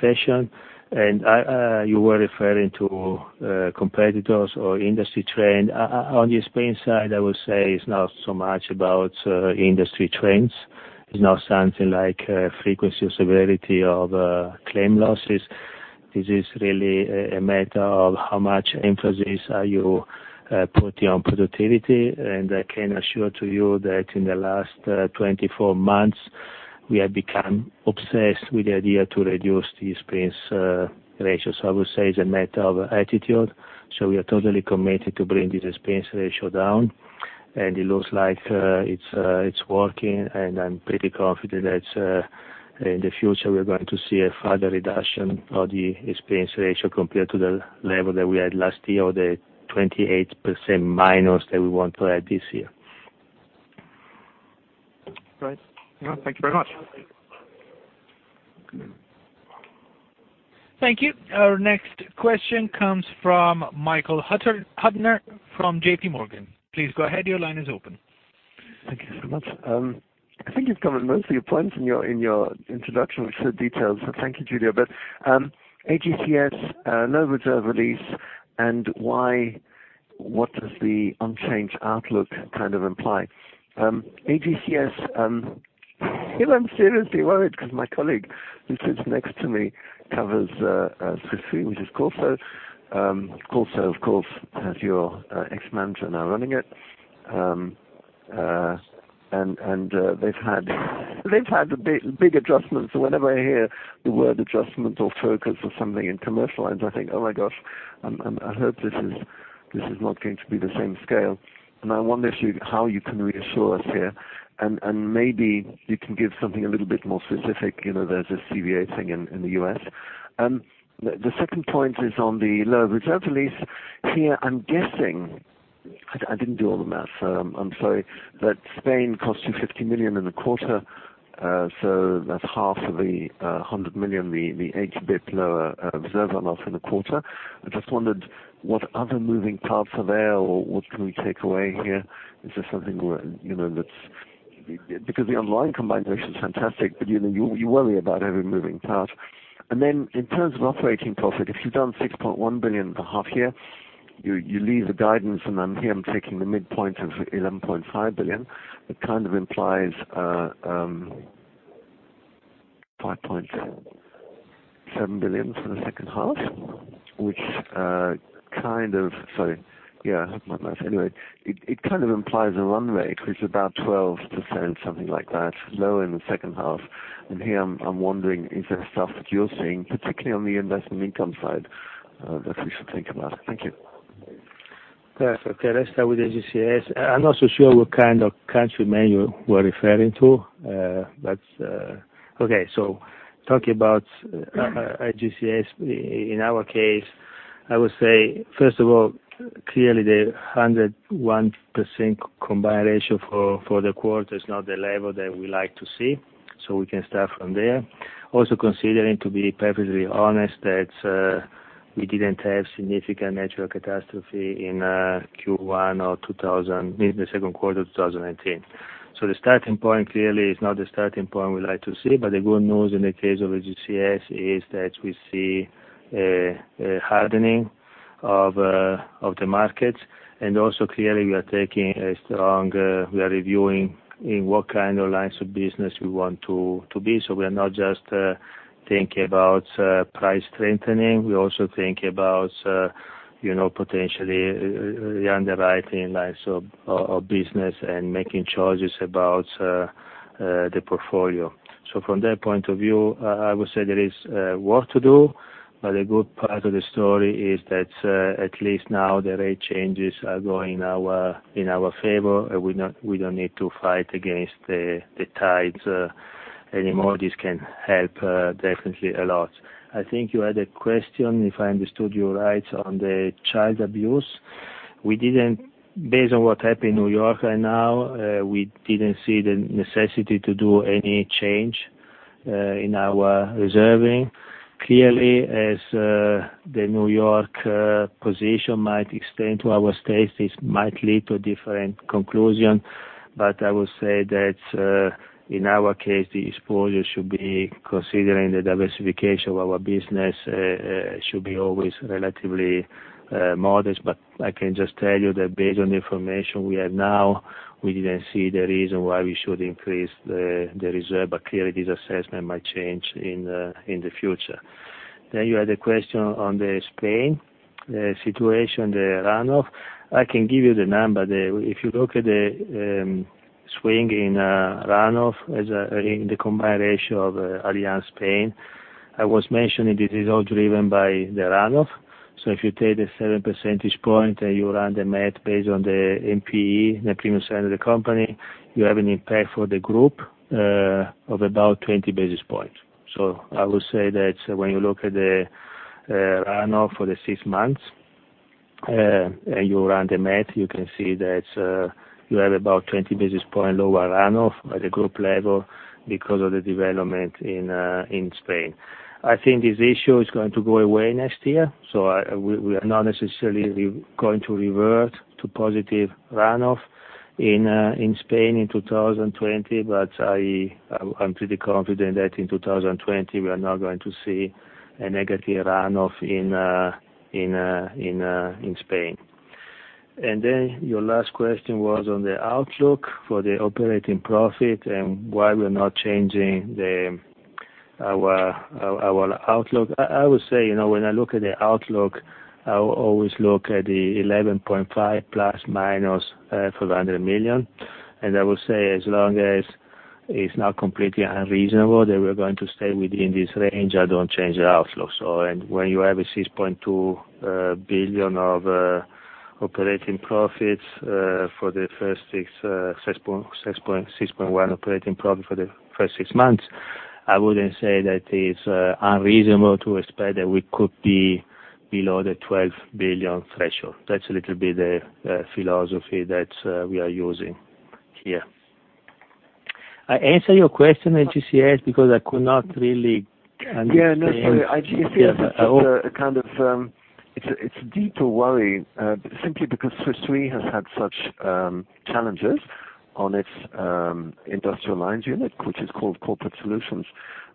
fashion. You were referring to competitors or industry trend. On the expense side, I would say it's not so much about industry trends. It's not something like frequency or severity of claim losses. This is really a matter of how much emphasis are you putting on productivity. I can assure to you that in the last 24 months, we have become obsessed with the idea to reduce the expense ratio. I would say it's a matter of attitude. We are totally committed to bring this expense ratio down, and it looks like it's working, and I'm pretty confident that in the future we are going to see a further reduction of the expense ratio compared to the level that we had last year or the 28% minus that we want to have this year. Great. Thank you very much. Thank you. Our next question comes from Michael Huttner from JPMorgan. Please go ahead. Your line is open. Thank you so much. I think you've covered most of your points in your introduction with the details, thank you, Giulio. AGCS, no reserve release, what does the unchanged outlook kind of imply? AGCS, you know I'm seriously worried because my colleague who sits next to me covers property, which is Corso. Corso, of course, has your ex-manager now running it. They've had big adjustments. Whenever I hear the word adjustment or focus or something in commercial lines, I think, "Oh, my gosh. I hope this is not going to be the same scale." I wonder how you can reassure us here. Maybe you can give something a little bit more specific. There's a CVA thing in the U.S. The second point is on the low reserve release. Here, I'm guessing, I didn't do all the math, so I'm sorry, that Spain cost you 50 million in the quarter. That's half of the 100 million, the HBIP lower reserve runoff in the quarter. I just wondered what other moving parts are there or what can we take away here. Is there something that's because the combined ratio is fantastic, but you worry about every moving part. Then in terms of operating profit, if you've done 6.1 billion for half-year, you leave the guidance, and I'm here, I'm taking the midpoint of 11.5 billion. It kind of implies 5.7 billion for the second half. Sorry. My math. It kind of implies a runway, which is about 12%, something like that, low in the second half. Here I'm wondering, is there stuff that you're seeing, particularly on the investment income side, that we should think about? Thank you. Perfect. Let's start with AGCS. I'm not so sure what kind of country menu we're referring to. Talking about AGCS, in our case, I would say, first of all, clearly the 101% combined ratio for the quarter is not the level that we like to see. We can start from there. Also considering, to be perfectly honest, that we didn't have significant natural catastrophe in Q1 or in the second quarter of 2019. The starting point clearly is not the starting point we like to see, but the good news in the case of AGCS is that we see a hardening of the markets, and also, clearly we are reviewing in what kind of lines of business we want to be. We are not just thinking about price strengthening, we also think about potentially the underwriting lines of business and making choices about the portfolio. From that point of view, I would say there is work to do, but a good part of the story is that at least now the rate changes are going in our favor, and we don't need to fight against the tides anymore. This can help definitely a lot. I think you had a question, if I understood you right, on the child abuse. Based on what happened in New York right now, we didn't see the necessity to do any change in our reserving. Clearly, as the New York position might extend to our states, this might lead to a different conclusion. I would say that in our case, the exposure should be considering the diversification of our business, should be always relatively modest. I can just tell you that based on the information we have now, we didn't see the reason why we should increase the reserve. Clearly, this assessment might change in the future. You had a question on the Spain situation, the runoff. I can give you the number there. If you look at the swing in runoff as the combined ratio of Allianz Spain, I was mentioning this is all driven by the runoff. If you take the seven percentage point and you run the math based on the NPE, net premium signed of the company, you have an impact for the group of about 20 basis points. I would say that when you look at the runoff for the six months, and you run the math, you can see that you have about 20 basis points lower runoff at the group level because of the development in Spain. I think this issue is going to go away next year. We are not necessarily going to revert to positive runoff in Spain in 2020. I'm pretty confident that in 2020, we are not going to see a negative runoff in Spain. Your last question was on the outlook for the operating profit and why we are not changing our outlook. I would say, when I look at the outlook, I always look at the 11.5 ± 500 million. I would say as long as it's not completely unreasonable that we're going to stay within this range, I don't change the outlook. When you have 6.2 billion of operating profits for the first six, 6.1 operating profit for the first six months, I wouldn't say that it's unreasonable to expect that we could be below the 12 billion threshold. That's a little bit the philosophy that we are using here. I answer your question, AGCS, because I could not really understand. Yeah, no, sorry. It's a deeper worry, simply because Swiss Re has had such challenges on its industrial lines unit, which is called Corporate Solutions.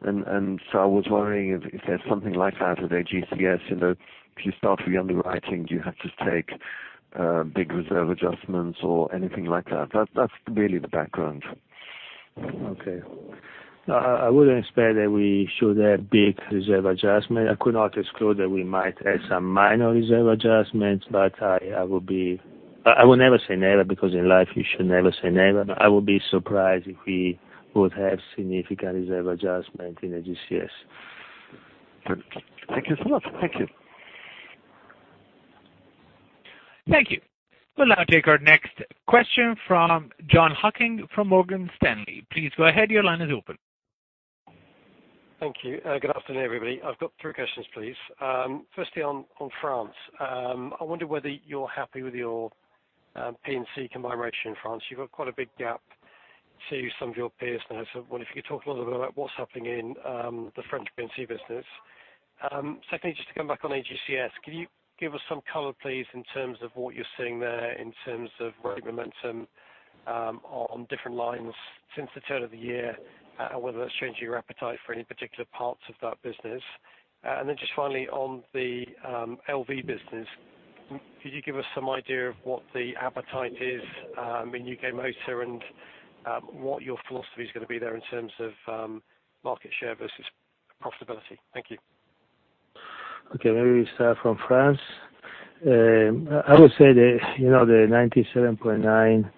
I was worrying if there's something like that with AGCS. If you start re-underwriting, do you have to take big reserve adjustments or anything like that? That's really the background. I wouldn't expect that we should have big reserve adjustment. I could not exclude that we might have some minor reserve adjustments, I would never say never because in life you should never say never. I would be surprised if we would have significant reserve adjustment in AGCS. Thank you so much. Thank you. Thank you. We will now take our next question from Jon Hocking from Morgan Stanley. Please go ahead. Your line is open. Thank you. Good afternoon, everybody. I've got three questions, please. Firstly, on France. I wonder whether you're happy with your P&C combined ratio in France. You've got quite a big gap to some of your peers now. I wonder if you could talk a little bit about what's happening in the French P&C business. Secondly, just to come back on AGCS, can you give us some color, please, in terms of what you're seeing there in terms of rate momentum on different lines since the turn of the year, whether that's changed your appetite for any particular parts of that business. Just finally on the LV business, could you give us some idea of what the appetite is in U.K. Motor and what your philosophy is going to be there in terms of market share versus profitability? Thank you. Okay. Maybe we start from France. I would say the 97.9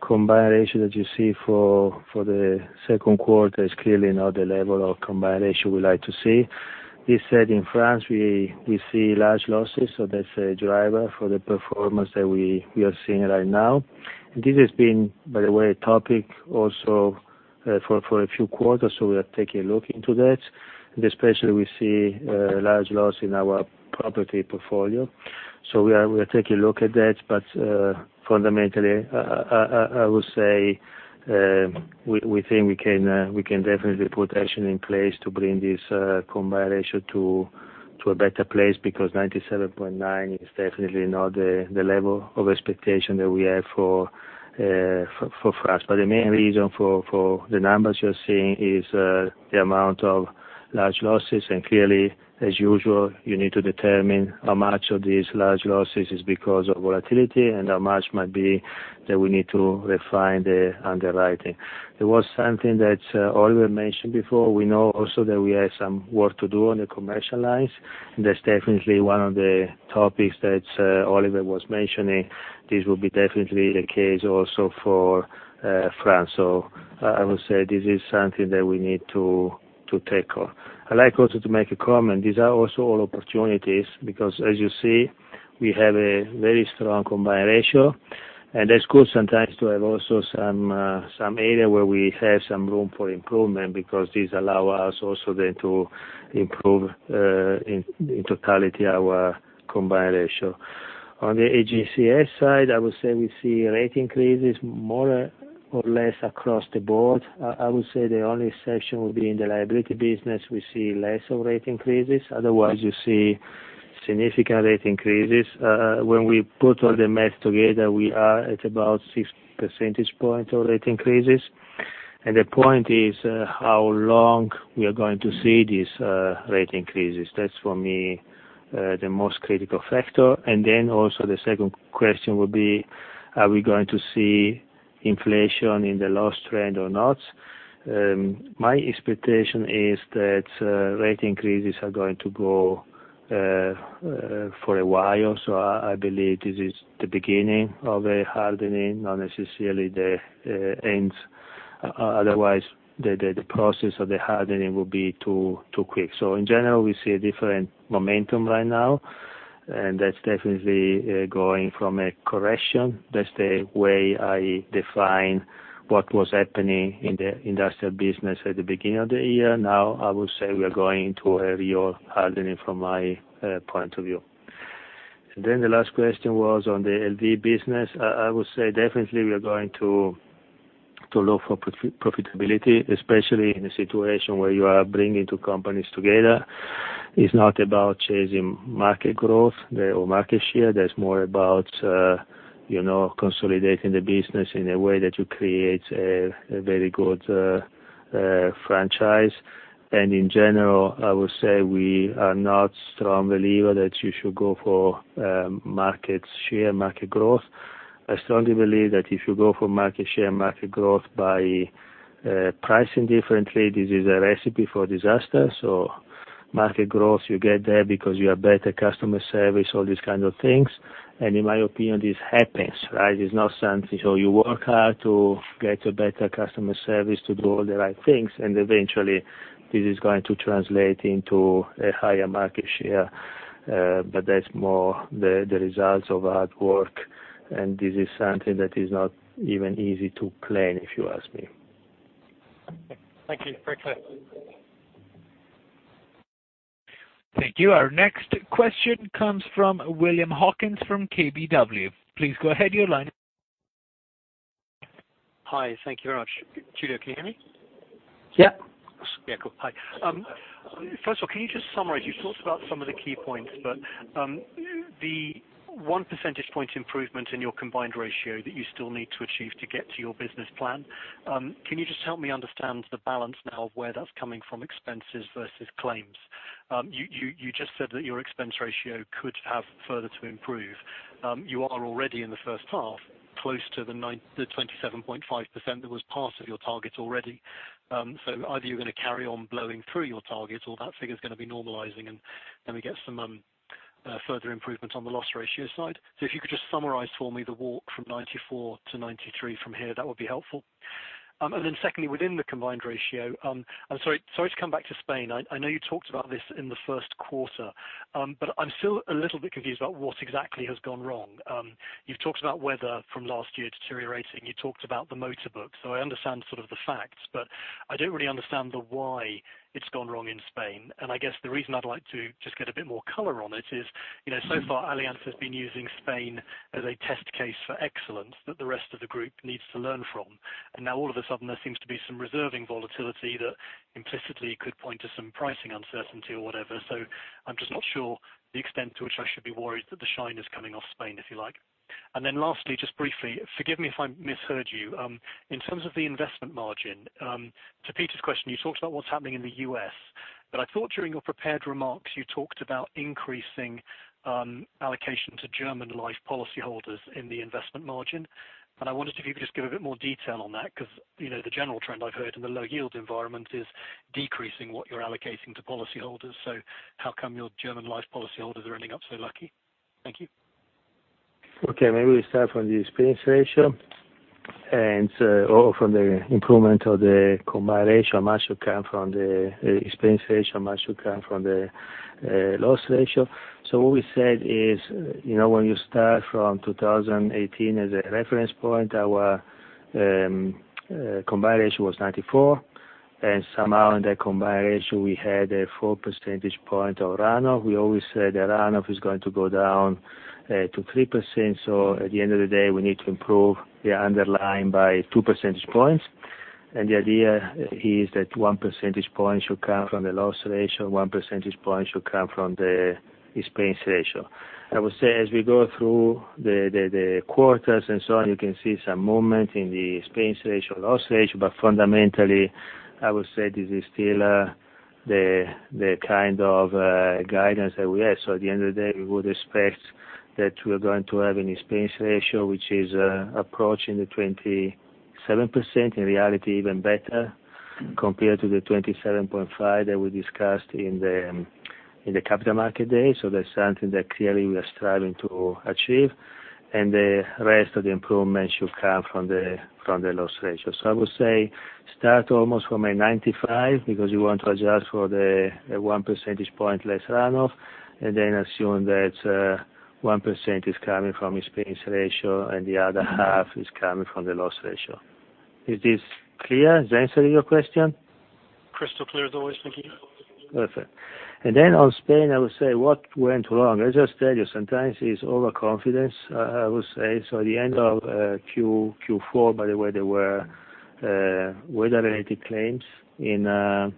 combined ratio that you see for the second quarter is clearly not the level of combined ratio we like to see. This said, in France, we see large losses. That's a driver for the performance that we are seeing right now. This has been, by the way, a topic also for a few quarters. We are taking a look into that. Especially we see a large loss in our property portfolio. We are taking a look at that. Fundamentally, I would say, we think we can definitely put action in place to bring this combined ratio to a better place, because 97.9 is definitely not the level of expectation that we have for France. The main reason for the numbers you're seeing is the amount of large losses, and clearly, as usual, you need to determine how much of these large losses is because of volatility, and how much might be that we need to refine the underwriting. There was something that Oliver mentioned before. We know also that we have some work to do on the commercial lines, and that's definitely one of the topics that Oliver was mentioning. This will be definitely the case also for France. I would say this is something that we need to tackle. I'd like also to make a comment. These are also all opportunities, because as you see, we have a very strong combined ratio, and that's good sometimes to have also some area where we have some room for improvement, because this allow us also then to improve in totality our combined ratio. On the Allianz Global Corporate & Specialty side, I would say we see rate increases more or less across the board. I would say the only exception would be in the liability business, we see less of rate increases. You see significant rate increases. When we put all the math together, we are at about six percentage point of rate increases. The point is how long we are going to see these rate increases. That's for me the most critical factor. The second question would be, are we going to see inflation in the loss trend or not? My expectation is that rate increases are going to go for a while. I believe this is the beginning of a hardening, not necessarily the end. The process of the hardening will be too quick. In general, we see a different momentum right now, and that's definitely going from a correction. That's the way I define what was happening in the industrial business at the beginning of the year. Now, I would say we are going to a real hardening from my point of view. The last question was on the LD business. I would say definitely we are going to look for profitability, especially in a situation where you are bringing two companies together. It's not about chasing market growth or market share. That's more about consolidating the business in a way that you create a very good franchise. In general, I would say we are not strong believer that you should go for market share, market growth. I strongly believe that if you go for market share, market growth by pricing differently, this is a recipe for disaster. Market growth, you get there because you have better customer service, all these kinds of things. In my opinion, this happens, right? It's not something. You work hard to get a better customer service, to do all the right things, and eventually this is going to translate into a higher market share. That's more the results of hard work, and this is something that is not even easy to claim, if you ask me. Thank you. Very clear. Thank you. Our next question comes from William Hawkins from KBW. Please go ahead. Hi. Thank you very much. Giulio, can you hear me? Yeah. Yeah. Cool. Hi. First of all, can you just summarize, you talked about some of the key points, but the one percentage point improvement in your combined ratio that you still need to achieve to get to your business plan. Can you just help me understand the balance now of where that's coming from, expenses versus claims? You just said that your expense ratio could have further to improve. You are already in the first half, close to the 27.5% that was part of your target already. Either you're going to carry on blowing through your target or that figure's going to be normalizing and we get some further improvements on the loss ratio side. If you could just summarize for me the walk from 94 to 93 from here, that would be helpful. Secondly, within the combined ratio, I'm sorry to come back to Spain. I know you talked about this in the first quarter. I'm still a little bit confused about what exactly has gone wrong. You've talked about weather from last year deteriorating. You talked about the motor book. I understand sort of the facts, but I don't really understand the why it's gone wrong in Spain. I guess the reason I'd like to just get a bit more color on it is, so far Allianz has been using Spain as a test case for excellence that the rest of the group needs to learn from. Now all of a sudden, there seems to be some reserving volatility that implicitly could point to some pricing uncertainty or whatever. I'm just not sure the extent to which I should be worried that the shine is coming off Spain, if you like. Then lastly, just briefly, forgive me if I misheard you. In terms of the investment margin, to Peter's question, you talked about what's happening in the U.S. I thought during your prepared remarks, you talked about increasing allocation to German Life policyholders in the investment margin. I wondered if you could just give a bit more detail on that, because the general trend I've heard in the low yield environment is decreasing what you're allocating to policyholders. How come your German Life policyholders are ending up so lucky? Thank you. Okay. Maybe we start from the expense ratio and from the improvement of the combined ratio, much will come from the expense ratio, much will come from the loss ratio. What we said is, when you start from 2018 as a reference point, our combined ratio was 94%. Somehow in the combined ratio, we had a full percentage point of runoff. We always said the runoff is going to go down to 3%. At the end of the day, we need to improve the underlying by two percentage points. The idea is that one percentage point should come from the loss ratio, one percentage point should come from the expense ratio. I would say, as we go through the quarters and so on, you can see some movement in the expense ratio, loss ratio. Fundamentally, I would say this is still the kind of guidance that we have. At the end of the day, we would expect that we are going to have an expense ratio which is approaching the 27%, in reality even better, compared to the 27.5% that we discussed in the Capital Markets Day. That's something that clearly we are striving to achieve. The rest of the improvement should come from the loss ratio. I would say start almost from a 95%, because you want to adjust for the one percentage point less runoff, and then assume that 1% is coming from expense ratio and the other half is coming from the loss ratio. Is this clear? Does that answer your question? Crystal clear as always. Thank you. Perfect. Then on Spain, I would say, what went wrong? I just tell you, sometimes it's overconfidence, I would say. At the end of Q4, by the way, there were weather-related claims in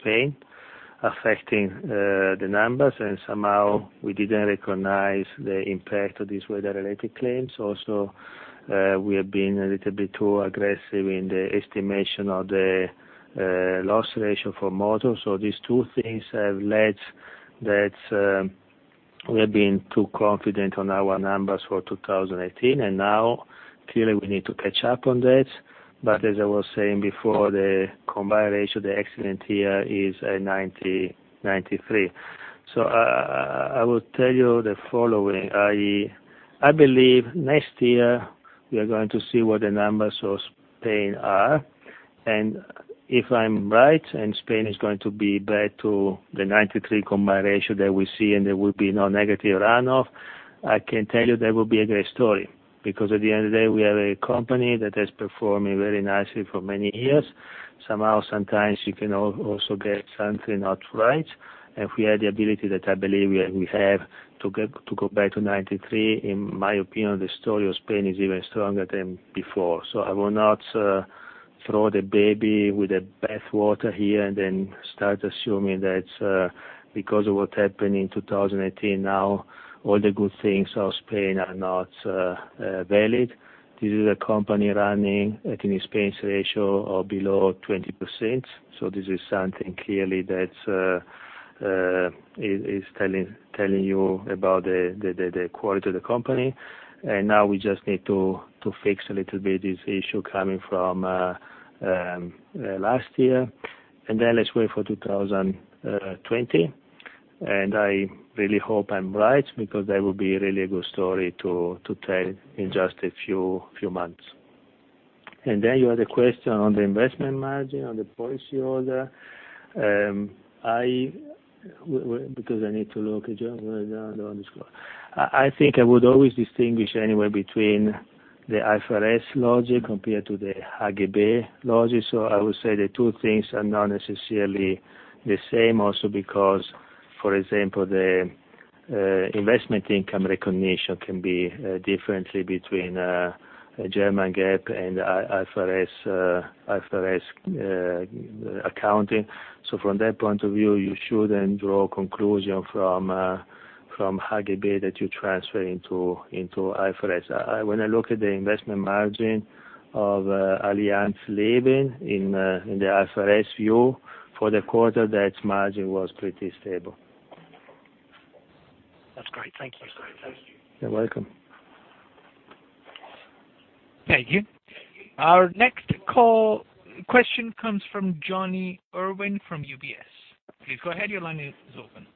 Spain affecting the numbers, and somehow we didn't recognize the impact of these weather-related claims. Also, we have been a little bit too aggressive in the estimation of the loss ratio for models. These two things have led that we have been too confident on our numbers for 2018, and now clearly we need to catch up on that. As I was saying before, the combined ratio, the accident here is at 93. I would tell you the following. I believe next year we are going to see what the numbers of Spain are. If I'm right, Spain is going to be back to the 93% combined ratio that we see, and there will be no negative runoff, I can tell you that will be a great story, because at the end of the day, we are a company that has performed very nicely for many years. Somehow, sometimes you can also get something not right. If we had the ability that I believe we have to go back to 93%, in my opinion, the story of Spain is even stronger than before. I will not throw the baby with the bathwater here and then start assuming that because of what happened in 2018, now all the good things of Spain are not valid. This is a company running at an expense ratio of below 20%. This is something clearly that is telling you about the quality of the company. Now we just need to fix a little bit this issue coming from last year. Let's wait for 2020. I really hope I'm right because that would be a really good story to tell in just a few months. You had a question on the investment margin, on the policyholder. I need to look at. I think I would always distinguish anyway between the IFRS logic compared to the HGB logic. I would say the two things are not necessarily the same, also because, for example, the investment income recognition can be differently between German GAAP and IFRS accounting. From that point of view, you shouldn't draw conclusion from HGB that you transfer into IFRS. When I look at the investment margin of Allianz Leben in the IFRS view for the quarter, that margin was pretty stable. That's great. Thank you. You're welcome. Thank you. Our next question comes from Jonny Irwin from UBS. Please go ahead. Your line is open.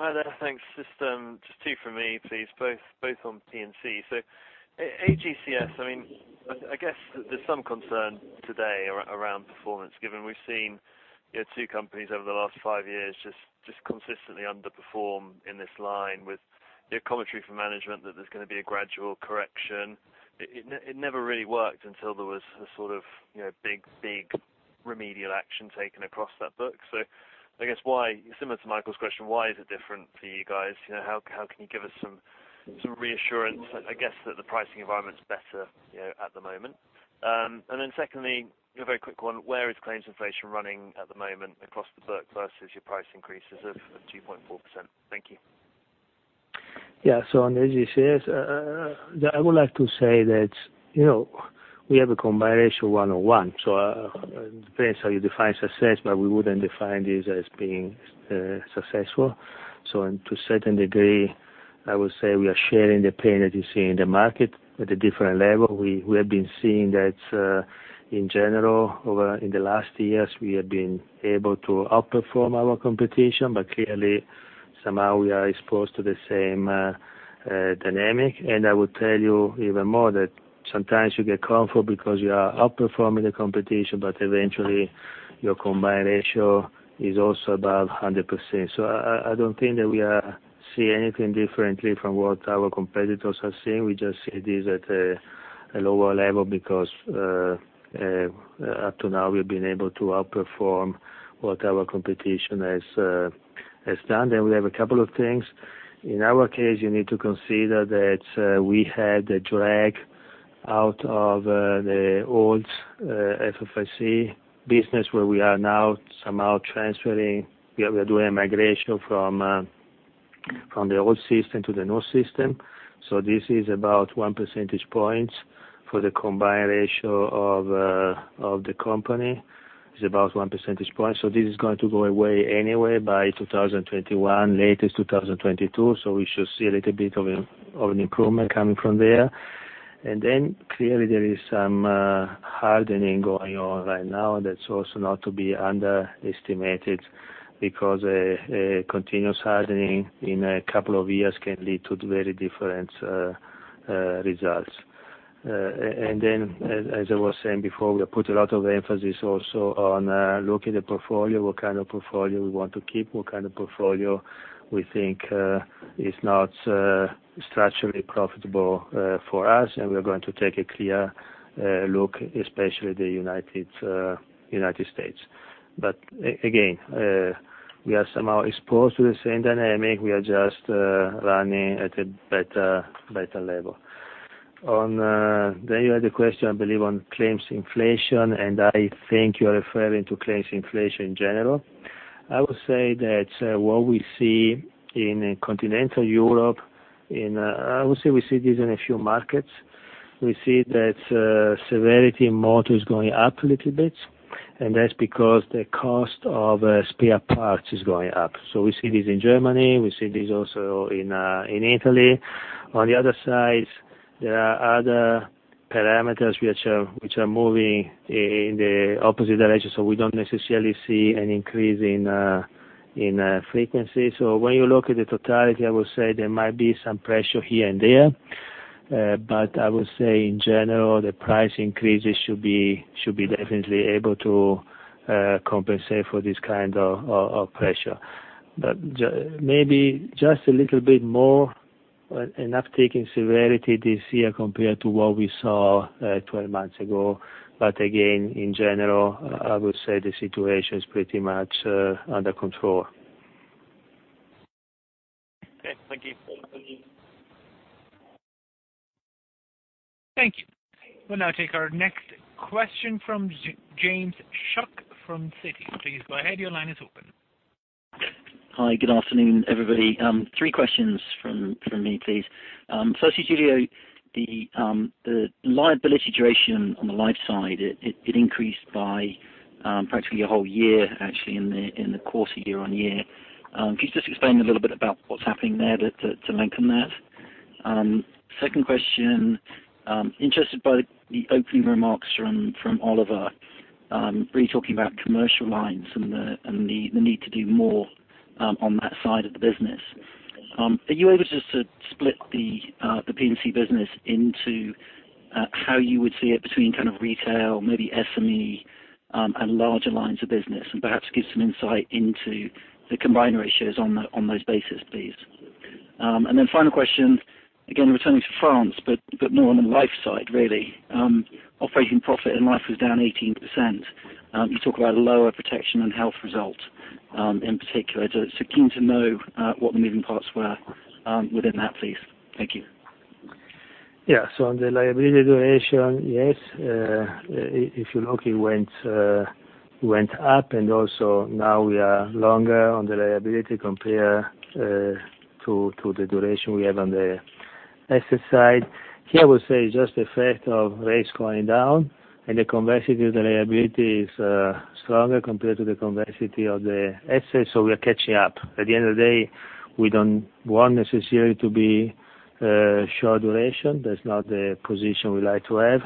Hi there. Thanks. Just two from me, please, both on P&C. AGCS, I guess there's some concern today around performance, given we've seen two companies over the last five years just consistently underperform in this line with your commentary from management that there's going to be a gradual correction. It never really worked until there was a sort of big remedial action taken across that book. I guess why, similar to Michael's question, why is it different for you guys? How can you give us some reassurance, I guess, that the pricing environment is better at the moment? Secondly, a very quick one, where is claims inflation running at the moment across the book versus your price increases of 2.4%? Thank you. Yeah. On AGCS, I would like to say that we have a combined ratio of 101. It depends how you define success, but we wouldn't define this as being successful. To a certain degree, I would say we are sharing the pain that you see in the market at a different level. We have been seeing that in general, in the last years, we have been able to outperform our competition, but clearly, somehow we are exposed to the same dynamic. I would tell you even more that sometimes you get comfort because you are outperforming the competition, but eventually your combined ratio is also above 100%. I don't think that we are seeing anything differently from what our competitors are seeing. We just see this at a lower level because up to now, we've been able to outperform what our competition has done. We have a couple of things. In our case, you need to consider that we had a drag out of the old FFIC business, where we are now somehow transferring. We are doing a migration from the old system to the new system. This is about one percentage point for the combined ratio of the company. It's about one percentage point. This is going to go away anyway by 2021, latest 2022. We should see a little bit of an improvement coming from there. Clearly there is some hardening going on right now that's also not to be underestimated, because a continuous hardening in a couple of years can lead to very different results. As I was saying before, we put a lot of emphasis also on looking at the portfolio, what kind of portfolio we want to keep, what kind of portfolio we think is not structurally profitable for us. We are going to take a clear look, especially the U.S. Again, we are somehow exposed to the same dynamic. We are just running at a better level. You had a question, I believe, on claims inflation, and I think you're referring to claims inflation in general. I would say that what we see in continental Europe, I would say we see this in a few markets. We see that severity in motor is going up a little bit, and that's because the cost of spare parts is going up. We see this in Germany, we see this also in Italy. On the other side, there are other parameters which are moving in the opposite direction, so we don't necessarily see an increase in frequency. When you look at the totality, I would say there might be some pressure here and there. I would say in general, the price increases should be definitely able to compensate for this kind of pressure. Maybe just a little bit more, an uptick in severity this year compared to what we saw 12 months ago. Again, in general, I would say the situation is pretty much under control. Okay. Thank you. Thank you. We'll now take our next question from James Shuck from Citi. Please go ahead. Your line is open. Hi. Good afternoon, everybody. Three questions from me, please. First, Giulio, the liability duration on the life side, it increased by practically a whole year, actually, in the course of year-over-year. Can you just explain a little bit about what's happening there to lengthen that? Second question. Interested by the opening remarks from Oliver, really talking about commercial lines and the need to do more on that side of the business. Are you able just to split the P&C business into how you would see it between kind of retail, maybe SME, and larger lines of business, and perhaps give some insight into the combined ratios on those bases, please? Final question, again, returning to France, but more on the life side, really. Operating profit in life was down 18%. You talk about lower protection and health result in particular. Keen to know what the moving parts were within that, please. Thank you. Yeah. On the liability duration, yes. If you look, it went up, and also now we are longer on the liability compared to the duration we have on the asset side. Here, I would say just the effect of rates going down and the convexity of the liability is stronger compared to the convexity of the assets. We are catching up. At the end of the day, we don't want necessarily to be short duration. That's not the position we like to have.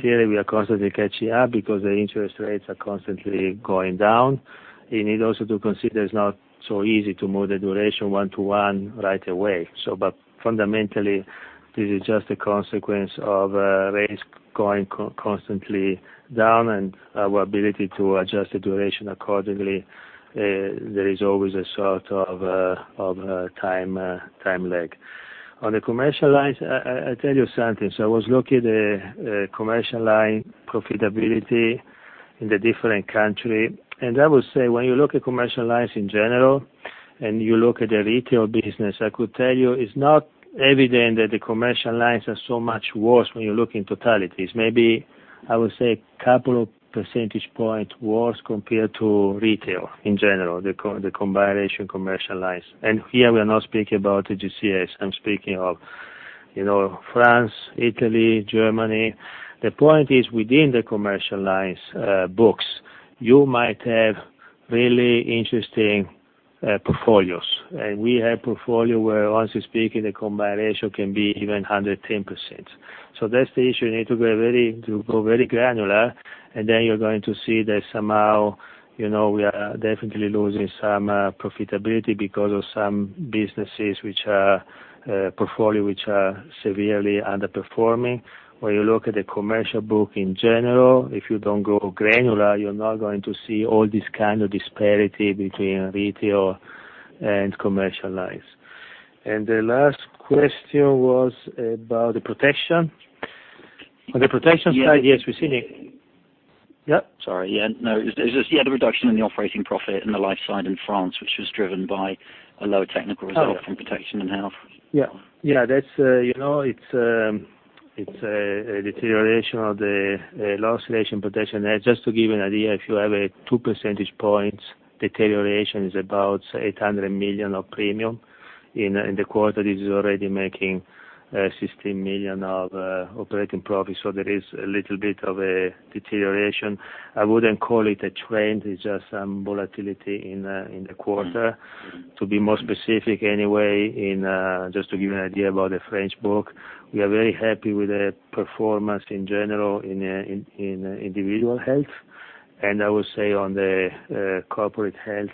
Clearly, we are constantly catching up because the interest rates are constantly going down. You need also to consider it's not so easy to move the duration one to one right away. Fundamentally, this is just a consequence of rates going constantly down and our ability to adjust the duration accordingly. There is always a sort of time lag. On the commercial lines, I tell you something. I was looking at the commercial lines profitability in the different countries, and I would say when you look at commercial lines in general, and you look at the retail business, I could tell you it's not evident that the commercial lines are so much worse when you look in totality. Maybe, I would say a couple of percentage points worse compared to retail in general, the combined ratio commercial lines. Here we are not speaking about GCS. I'm speaking of France, Italy, Germany. The point is within the commercial lines books, you might have really interesting portfolios, and we have portfolios where once you speak in the combined ratio can be even 110%. That's the issue. You need to go very granular, then you're going to see that somehow we are definitely losing some profitability because of some businesses which are portfolio, which are severely underperforming. When you look at the commercial book in general, if you don't go granular, you're not going to see all this kind of disparity between retail and commercial. The last question was about the protection. On the protection side, yes. Yeah? Sorry. Yeah, no. Is this the other reduction in the operating profit in the life side in France, which was driven by a low technical result from protection and health? Yeah. That's a deterioration of the loss ratio protection. Just to give you an idea, if you have a two percentage points deterioration is about 800 million of premium. In the quarter, this is already making 16 million of operating profit. There is a little bit of a deterioration. I wouldn't call it a trend. It's just some volatility in the quarter. To be more specific anyway, just to give you an idea about the French book, we are very happy with the performance in general in individual health. I would say on the corporate health,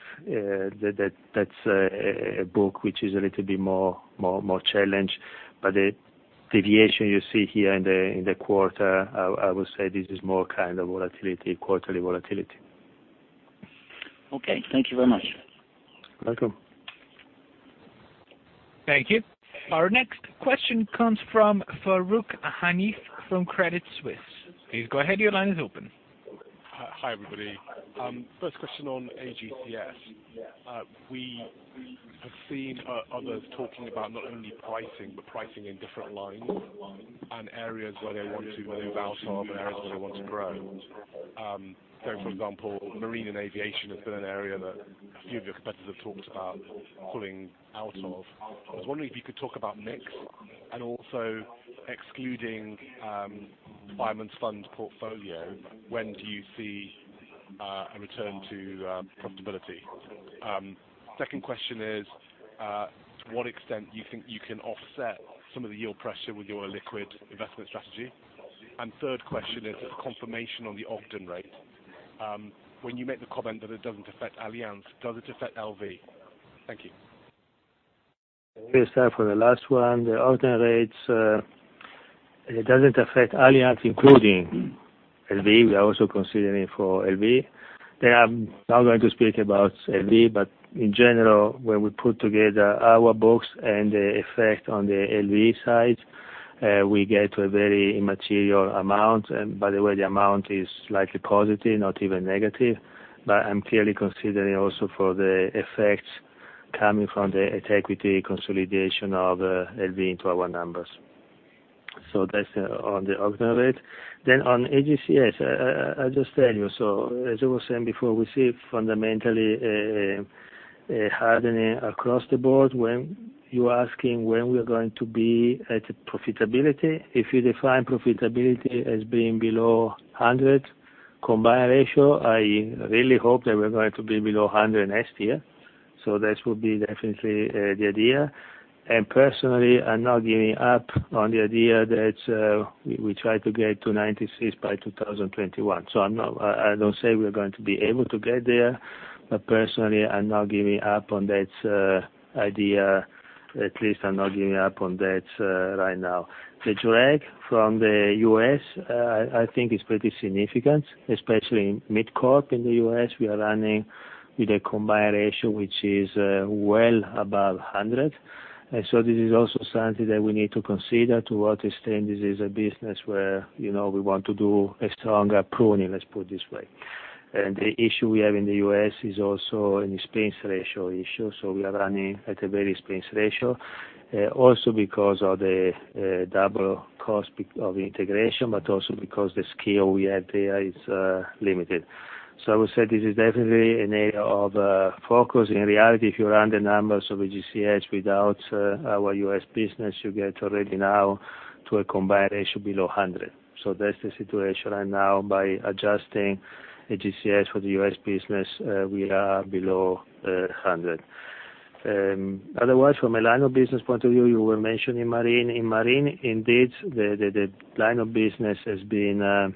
that's a book which is a little bit more challenged. The deviation you see here in the quarter, I would say this is more volatility, quarterly volatility. Okay. Thank you very much. Welcome. Thank you. Our next question comes from Farooq Hanif from Credit Suisse. Please go ahead. Your line is open. Hi, everybody. First question on AGCS. We have seen others talking about not only pricing but pricing in different lines and areas where they want to move out of and areas where they want to grow. For example, marine and aviation has been an area that a few of your competitors have talked about pulling out of. I was wondering if you could talk about mix and also excluding Fireman's Fund portfolio, when do you see a return to profitability? Second question is, to what extent you think you can offset some of the yield pressure with your liquid investment strategy? Third question is a confirmation on the Ogden rate. When you make the comment that it doesn't affect Allianz, does it affect LV? Thank you. Let me start for the last one, the Ogden rates, it doesn't affect Allianz, including LV. We are also considering for LV. I'm not going to speak about LV, in general, when we put together our books and the effect on the LV side, we get to a very immaterial amount. By the way, the amount is slightly positive, not even negative. I'm clearly considering also for the effects coming from the equity consolidation of LV into our numbers. That's on the Ogden rate. On AGCS, I just tell you. As I was saying before, we see fundamentally a hardening across the board. When you are asking when we are going to be at profitability, if you define profitability as being below 100 combined ratio, I really hope that we're going to be below 100 next year. This would be definitely the idea. Personally, I'm not giving up on the idea that we try to get to 96 by 2021. I don't say we're going to be able to get there, but personally, I'm not giving up on that idea. At least I'm not giving up on that right now. The drag from the U.S., I think is pretty significant, especially in MidCorp in the U.S., we are running with a combined ratio which is well above 100. This is also something that we need to consider to what extent this is a business where we want to do a stronger pruning, let's put it this way. The issue we have in the U.S. is also an expense ratio issue. We are running at a high expense ratio, also because of the double cost of integration, but also because the scale we have there is limited. I would say this is definitely an area of focus. In reality, if you run the numbers of AGCS without our U.S. business, you get already now to a combined ratio below 100. That's the situation right now by adjusting AGCS for the U.S. business, we are below 100. Otherwise, from a line of business point of view, you were mentioning marine. In marine, indeed, the line of business has been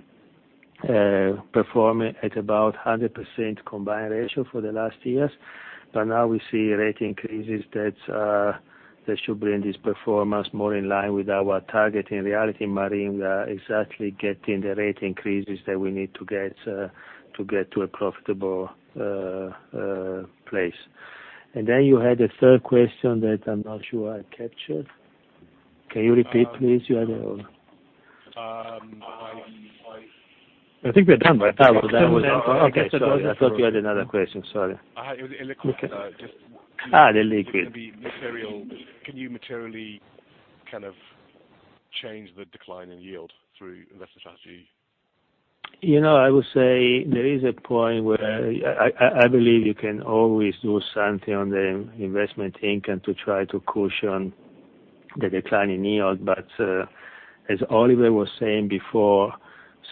performing at about 100% combined ratio for the last years. Now we see rate increases that should bring this performance more in line with our target. In reality, marine, we are exactly getting the rate increases that we need to get to a profitable place. Then you had a third question that I'm not sure I captured. Can you repeat, please? You had it all. I- I think we're done. That was it. Okay. Sorry. I thought you had another question. Sorry. It was illiquid. The liquid. Can you materially kind of change the decline in yield through investment strategy? I would say there is a point where I believe you can always do something on the investment income to try to cushion the decline in yield. As Oliver was saying before,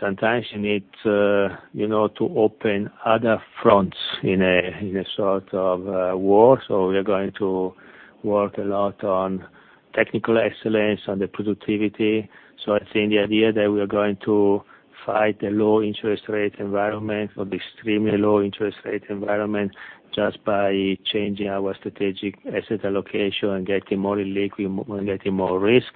sometimes you need to open other fronts in a sort of war. We are going to work a lot on technical excellence, on the productivity. I think the idea that we are going to fight a low interest rate environment or the extremely low interest rate environment just by changing our strategic asset allocation and getting more illiquid and getting more risk.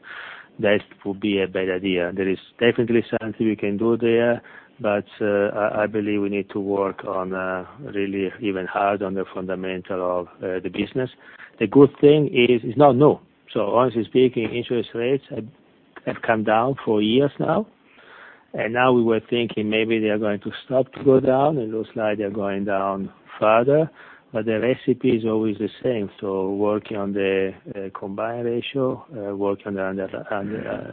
That would be a bad idea. There is definitely something we can do there, but I believe we need to work on really even hard on the fundamental of the business. The good thing is it's not new. Honestly speaking, interest rates have come down for years now, and now we were thinking maybe they are going to stop to go down, and looks like they're going down further, but the recipe is always the same. Working on the combined ratio, working on the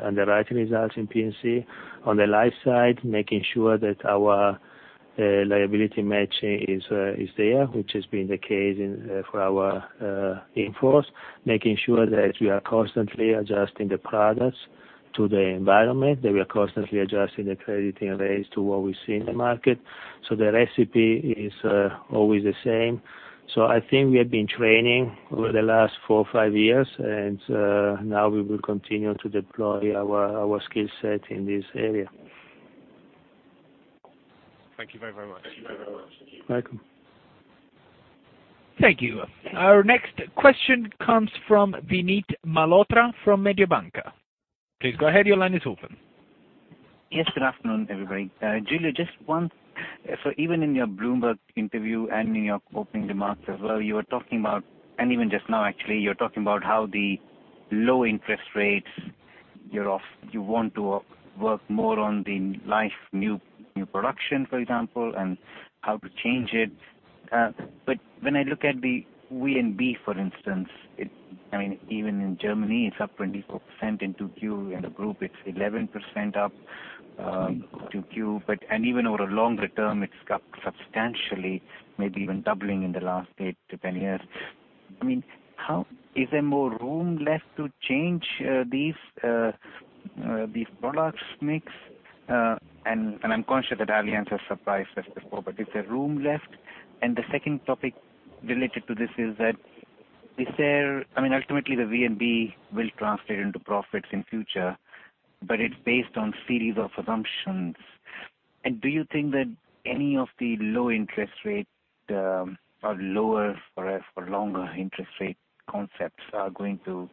underwriting results in P&C. On the life side, making sure that our liability matching is there, which has been the case for our in-force. Making sure that we are constantly adjusting the products to the environment, that we are constantly adjusting the crediting rates to what we see in the market. The recipe is always the same. I think we have been training over the last four or five years, and now we will continue to deploy our skill set in this area. Thank you very, very much. Welcome. Thank you. Our next question comes from Vinit Malhotra from Mediobanca. Please go ahead, your line is open. Yes, good afternoon, everybody. Giulio, even in your Bloomberg interview and in your opening remarks as well, you were talking about, and even just now actually, you're talking about how the low interest rates, you want to work more on the life new production, for example, and how to change it. When I look at the VNB, for instance, even in Germany, it's up 24% in 2Q, in the group it's 11% up 2Q, and even over a longer term, it's up substantially, maybe even doubling in the last eight to 10 years. Is there more room left to change these products mix? I'm conscious that Allianz has surprised us before, but is there room left? The second topic related to this is that, ultimately the VNB will translate into profits in future, but it's based on series of assumptions. Do you think that any of the low interest rate, or lower for longer interest rate concepts are going to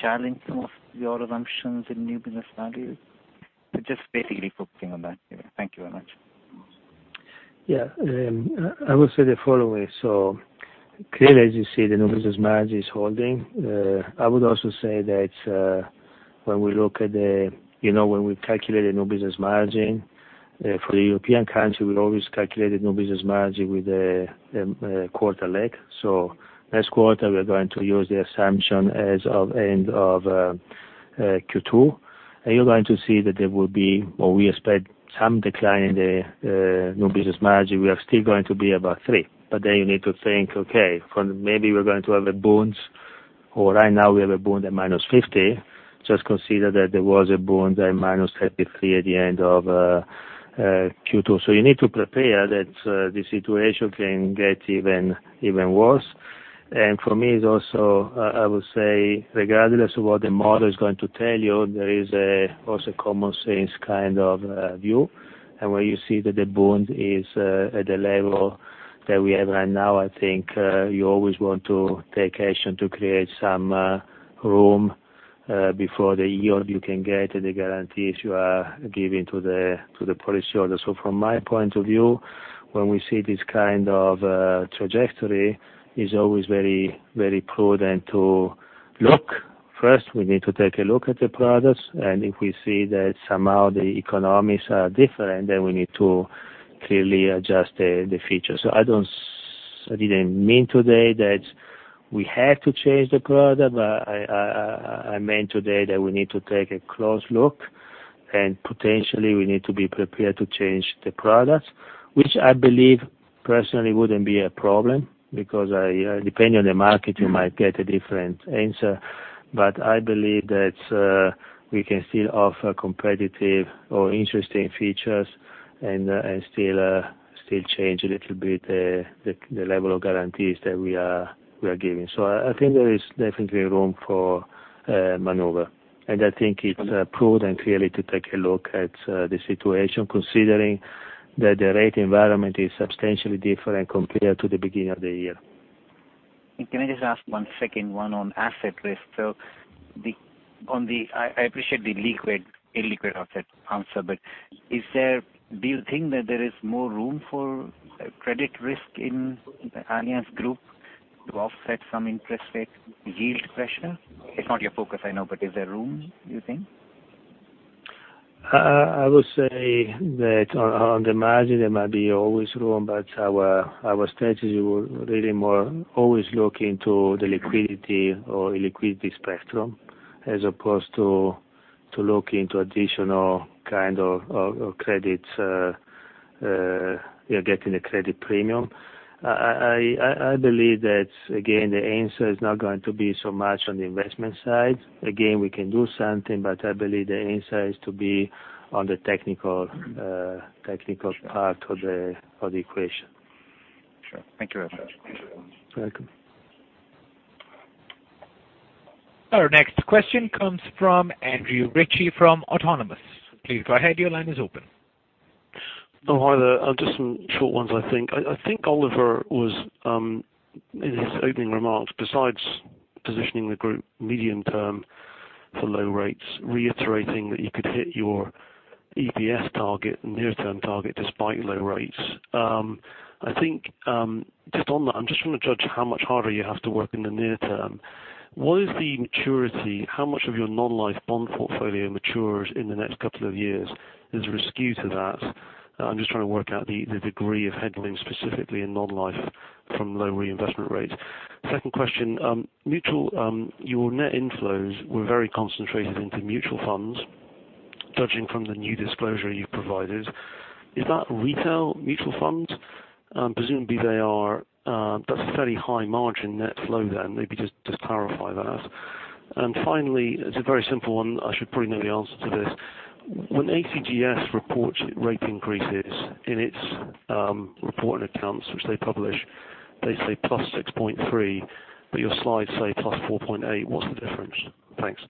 challenge some of your assumptions in new business values? Just basically focusing on that. Thank you very much. Yeah. I would say the following. Clearly, as you see, the new business margin is holding. I would also say that when we calculate a new business margin for the European country, we always calculate a new business margin with a quarter lag. Next quarter, we are going to use the assumption as of end of Q2. You're going to see that there will be, or we expect some decline in the new business margin. We are still going to be above three. You need to think, okay, maybe we're going to have a Bund, or right now we have a Bund at -50. Just consider that there was a Bund at -33 at the end of Q2. You need to prepare that the situation can get even worse. For me, I would say, regardless of what the model is going to tell you, there is also common sense kind of view. When you see that the Bund is at the level that we have right now, I think you always want to take action to create some room before the yield you can get and the guarantees you are giving to the policyholder. From my point of view, when we see this kind of trajectory, is always very prudent to look. First, we need to take a look at the products, and if we see that somehow the economics are different, then we need to clearly adjust the features. I didn't mean today that we have to change the product, but I meant today that we need to take a close look and potentially we need to be prepared to change the products. Which I believe personally wouldn't be a problem, because depending on the market, you might get a different answer. I believe that we can still offer competitive or interesting features and still change a little bit the level of guarantees that we are giving. I think there is definitely room for maneuver. I think it's prudent, clearly, to take a look at the situation, considering that the rate environment is substantially different compared to the beginning of the year. Can I just ask one second one on asset risk? I appreciate the illiquid asset answer, but do you think that there is more room for credit risk in Allianz Group to offset some interest rate yield pressure? It's not your focus, I know, but is there room, do you think? I would say that on the margin, there might be always room, but our strategy will really more always look into the liquidity or illiquidity spectrum, as opposed to look into additional kind of credits, getting a credit premium. I believe that, again, the answer is not going to be so much on the investment side. Again, we can do something, but I believe the answer is to be on the technical part of the equation. Sure. Thank you very much. You're welcome. Our next question comes from Andrew Ritchie from Autonomous. Please go ahead, your line is open. Oh, hi there. Just some short ones I think. I think Oliver was, in his opening remarks, besides positioning the group medium term for low rates, reiterating that you could hit your EPS target, near-term target, despite low rates. I think, just on that, I'm just trying to judge how much harder you have to work in the near term. What is the maturity? How much of your non-life bond portfolio matures in the next couple of years? Is there a skew to that? I'm just trying to work out the degree of headlining specifically in non-life from low reinvestment rates. Second question, mutual, your net inflows were very concentrated into mutual funds, judging from the new disclosure you've provided. Is that retail mutual funds? Presumably, that's a fairly high margin net flow then. Maybe just clarify that. Finally, it's a very simple one. I should probably know the answer to this. When ACGS reports rate increases in its report and accounts, which they publish, they say plus 6.3, but your slides say plus 4.8. What's the difference? Thanks.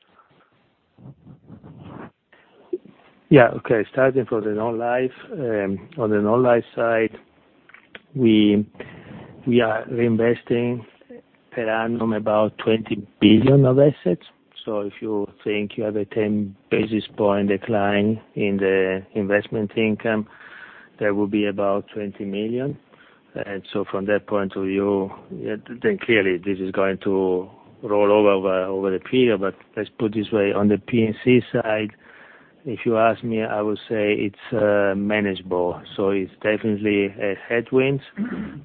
Okay. Starting from the non-life. On the non-life side, we are reinvesting per annum about 20 billion of assets. If you think you have a 10 basis point decline in the investment income, that will be about 20 million. From that point of view, clearly this is going to roll over the period, but let's put it this way. On the P&C side, if you ask me, I would say it's manageable. It's definitely a headwind,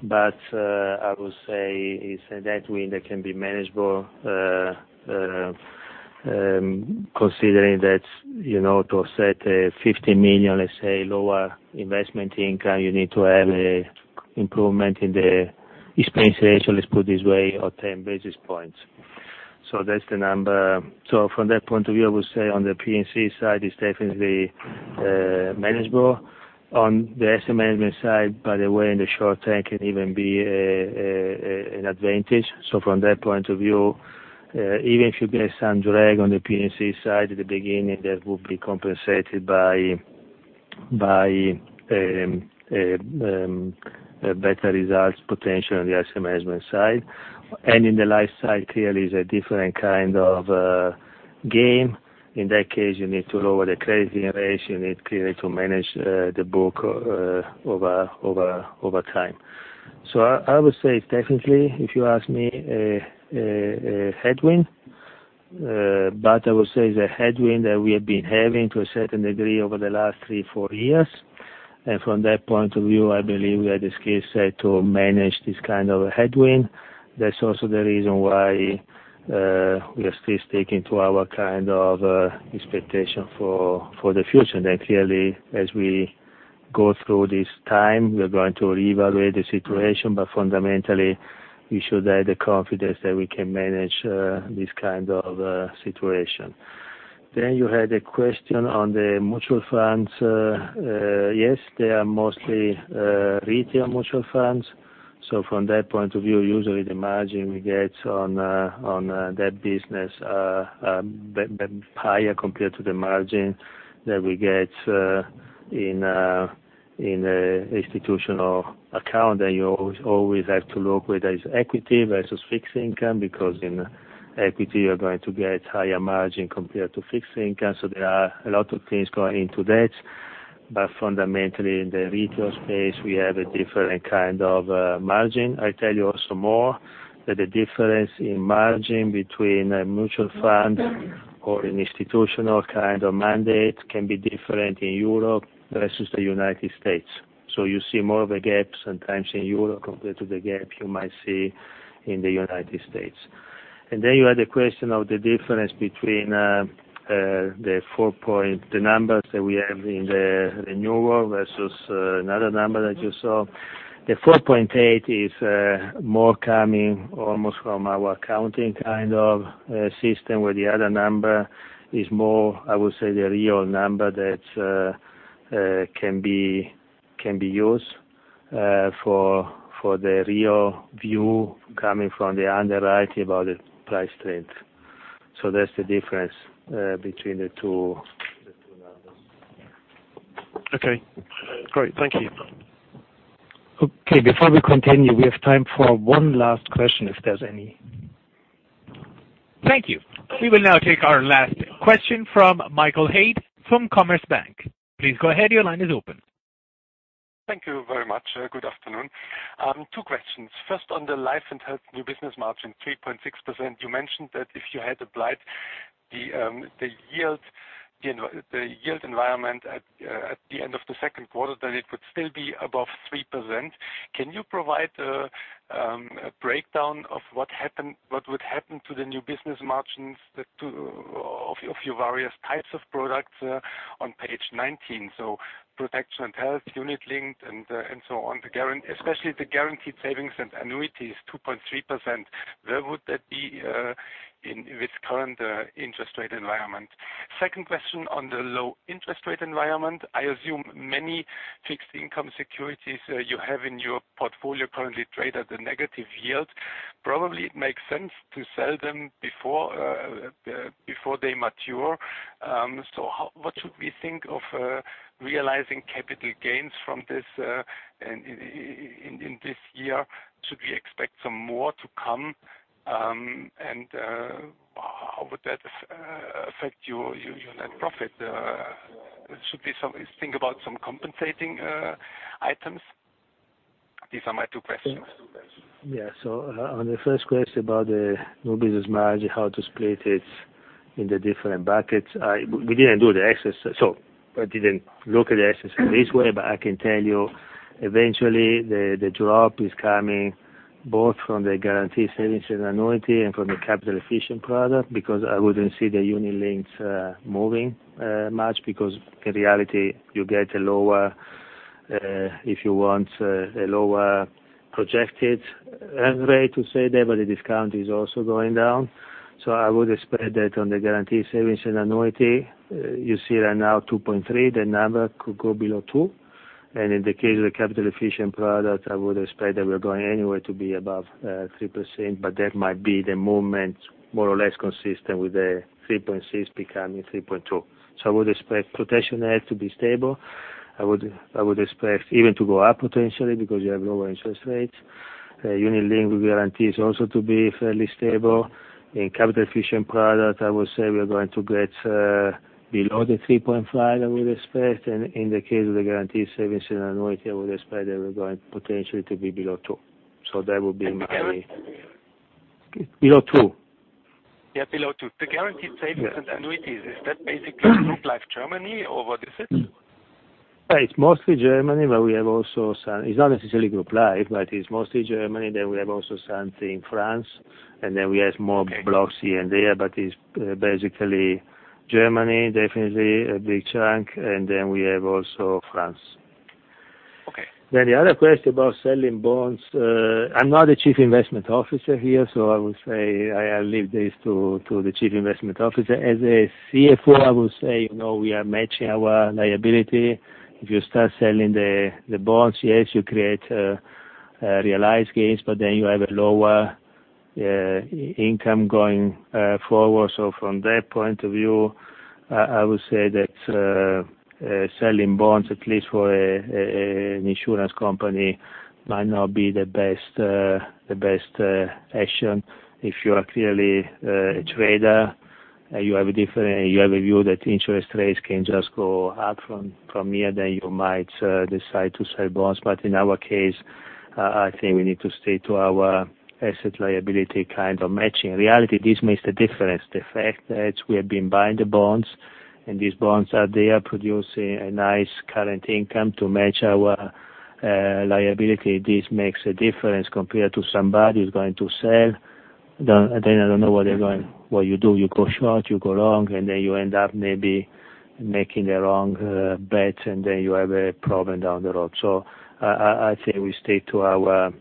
but I would say it's a headwind that can be manageable, considering that to offset 15 million, let's say, lower investment income, you need to have improvement in the expense ratio, let's put it this way, of 10 basis points. That's the number. From that point of view, I would say on the P&C side, it's definitely manageable. On the asset management side, by the way, in the short term, it can even be an advantage. From that point of view, even if you get some drag on the P&C side at the beginning, that will be compensated by better results potential on the asset management side. In the life side, clearly is a different kind of game. In that case, you need to lower the claims generation, you need clearly to manage the book over time. I would say it's technically, if you ask me, a headwind. I would say it's a headwind that we have been having to a certain degree over the last three, four years. From that point of view, I believe we have the skill set to manage this kind of a headwind. That's also the reason why we are still sticking to our expectation for the future. Clearly, as we go through this time, we are going to reevaluate the situation. Fundamentally, we should have the confidence that we can manage this kind of situation. You had a question on the mutual funds. Yes, they are mostly retail mutual funds. From that point of view, usually the margin we get on that business are higher compared to the margin that we get in institutional account. You always have to look whether it's equity versus fixed income, because in equity, you're going to get higher margin compared to fixed income. There are a lot of things going into that. Fundamentally, in the retail space, we have a different kind of margin. I tell you also more, that the difference in margin between a mutual fund or an institutional kind of mandate can be different in Europe versus the United States. You see more of a gap sometimes in Europe compared to the gap you might see in the U.S. Then you had a question of the difference between the numbers that we have in the renewal versus another number that you saw. The 4.8 is more coming almost from our accounting kind of system, where the other number is more, I would say, the real number that can be used for the real view coming from the underwriting about the price trend. That's the difference between the two numbers. Okay. Great. Thank you. Okay, before we continue, we have time for one last question, if there's any. Thank you. We will now take our last question from Michael Haid from Commerzbank. Please go ahead, your line is open. Thank you very much. Good afternoon. Two questions. First, on the life and health new business margin, 3.6%. You mentioned that if you had applied the yield environment at the end of the second quarter, that it would still be above 3%. Can you provide a breakdown of what would happen to the new business margins of your various types of products on page 19? Protection and health, unit linked, and so on. Especially the guaranteed savings and annuities, 2.3%. Where would that be with current interest rate environment? Second question on the low interest rate environment. I assume many fixed income securities you have in your portfolio currently trade at a negative yield. Probably it makes sense to sell them before they mature. What should we think of realizing capital gains from this in this year? Should we expect some more to come? How would that affect your net profit? Should we think about some compensating items? These are my two questions. Yeah. On the first question about the new business margin, how to split it in the different buckets. We didn't do the excess, I didn't look at the excess in this way, but I can tell you eventually the drop is coming both from the guaranteed savings and annuity and from the capital efficient product, because I wouldn't see the unit-linked moving much because in reality you get a lower, if you want, a lower projected rate to say there, but the discount is also going down. I would expect that on the guaranteed savings and annuity, you see right now 2.3, the number could go below 2. In the case of the capital efficient product, I would expect that we're going anyway to be above 3%, but that might be the movement more or less consistent with the 3.6 becoming 3.2. I would expect protection net to be stable. I would expect even to go up potentially because you have lower interest rates. Unilink guarantees also to be fairly stable. In capital efficient product, I would say we are going to get below the 3.5, I would expect. In the case of the guaranteed savings and annuity, I would expect they were going potentially to be below two. That would be my. Below two. Below two. Yeah, below two. The guaranteed savings and annuities, is that basically group life Germany or what is it? It's mostly Germany. We have also some. It's not necessarily group life, it's mostly Germany. We have also something France. We have small blocks here and there. It's basically Germany, definitely a big chunk. We have also France. Okay. The other question about selling bonds. I'm not a Chief Investment Officer here, I would say I leave this to the Chief Investment Officer. As a CFO, I would say, we are matching our liability. If you start selling the bonds, yes, you create realized gains, you have a lower income going forward. From that point of view, I would say that selling bonds, at least for an insurance company, might not be the best action. If you are clearly a trader, you have a view that interest rates can just go up from here, you might decide to sell bonds. In our case, I think we need to stay to our asset liability kind of matching. In reality, this makes the difference. The fact that we have been buying the bonds, and these bonds are there producing a nice current income to match our liability. This makes a difference compared to somebody who's going to sell. I don't know what you do. You go short, you go long, and then you end up maybe making a wrong bet, and then you have a problem down the road. I think we stay to our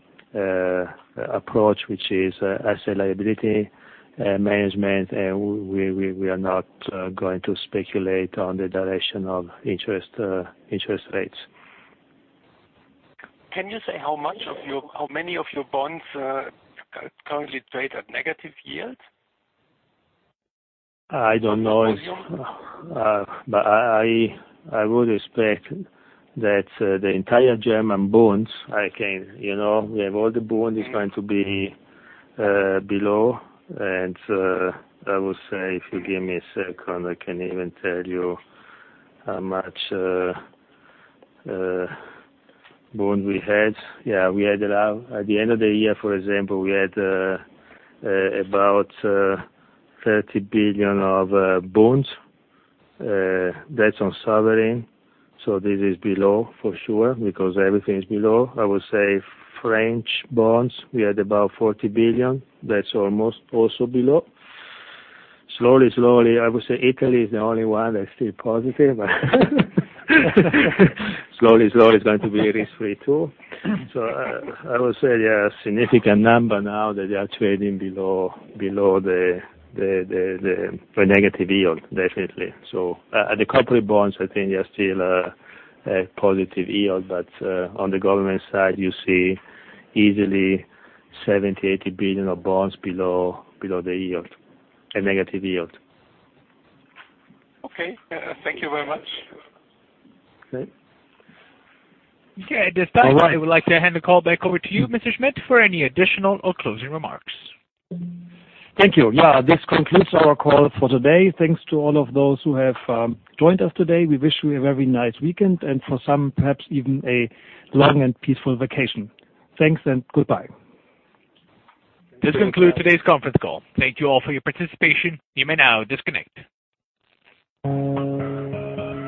approach, which is asset liability management, and we are not going to speculate on the direction of interest rates. Can you say how many of your bonds currently trade at negative yield? I don't know. On the volume. I would expect that the entire German bonds, we have all the bonds is going to be below. I would say, if you give me a second, I can even tell you how much bond we had. At the end of the year, for example, we had about EUR 30 billion of bonds. That's on sovereign. This is below for sure, because everything is below. I would say French bonds, we had about 40 billion. That's almost also below. Slowly, slowly, I would say Italy is the only one that's still positive. Slowly, slowly, it's going to be risk-free, too. I would say a significant number now that they are trading below the negative yield, definitely. At the corporate bonds, I think they are still a positive yield, but on the government side, you see easily 70 billion, 80 billion of bonds below the yield, a negative yield. Okay. Thank you very much. Okay. Okay. At this time, I would like to hand the call back over to you, Mr. Schmidt, for any additional or closing remarks. Thank you. This concludes our call for today. Thanks to all of those who have joined us today. We wish you a very nice weekend, and for some, perhaps even a long and peaceful vacation. Thanks and goodbye. This concludes today's conference call. Thank you all for your participation. You may now disconnect.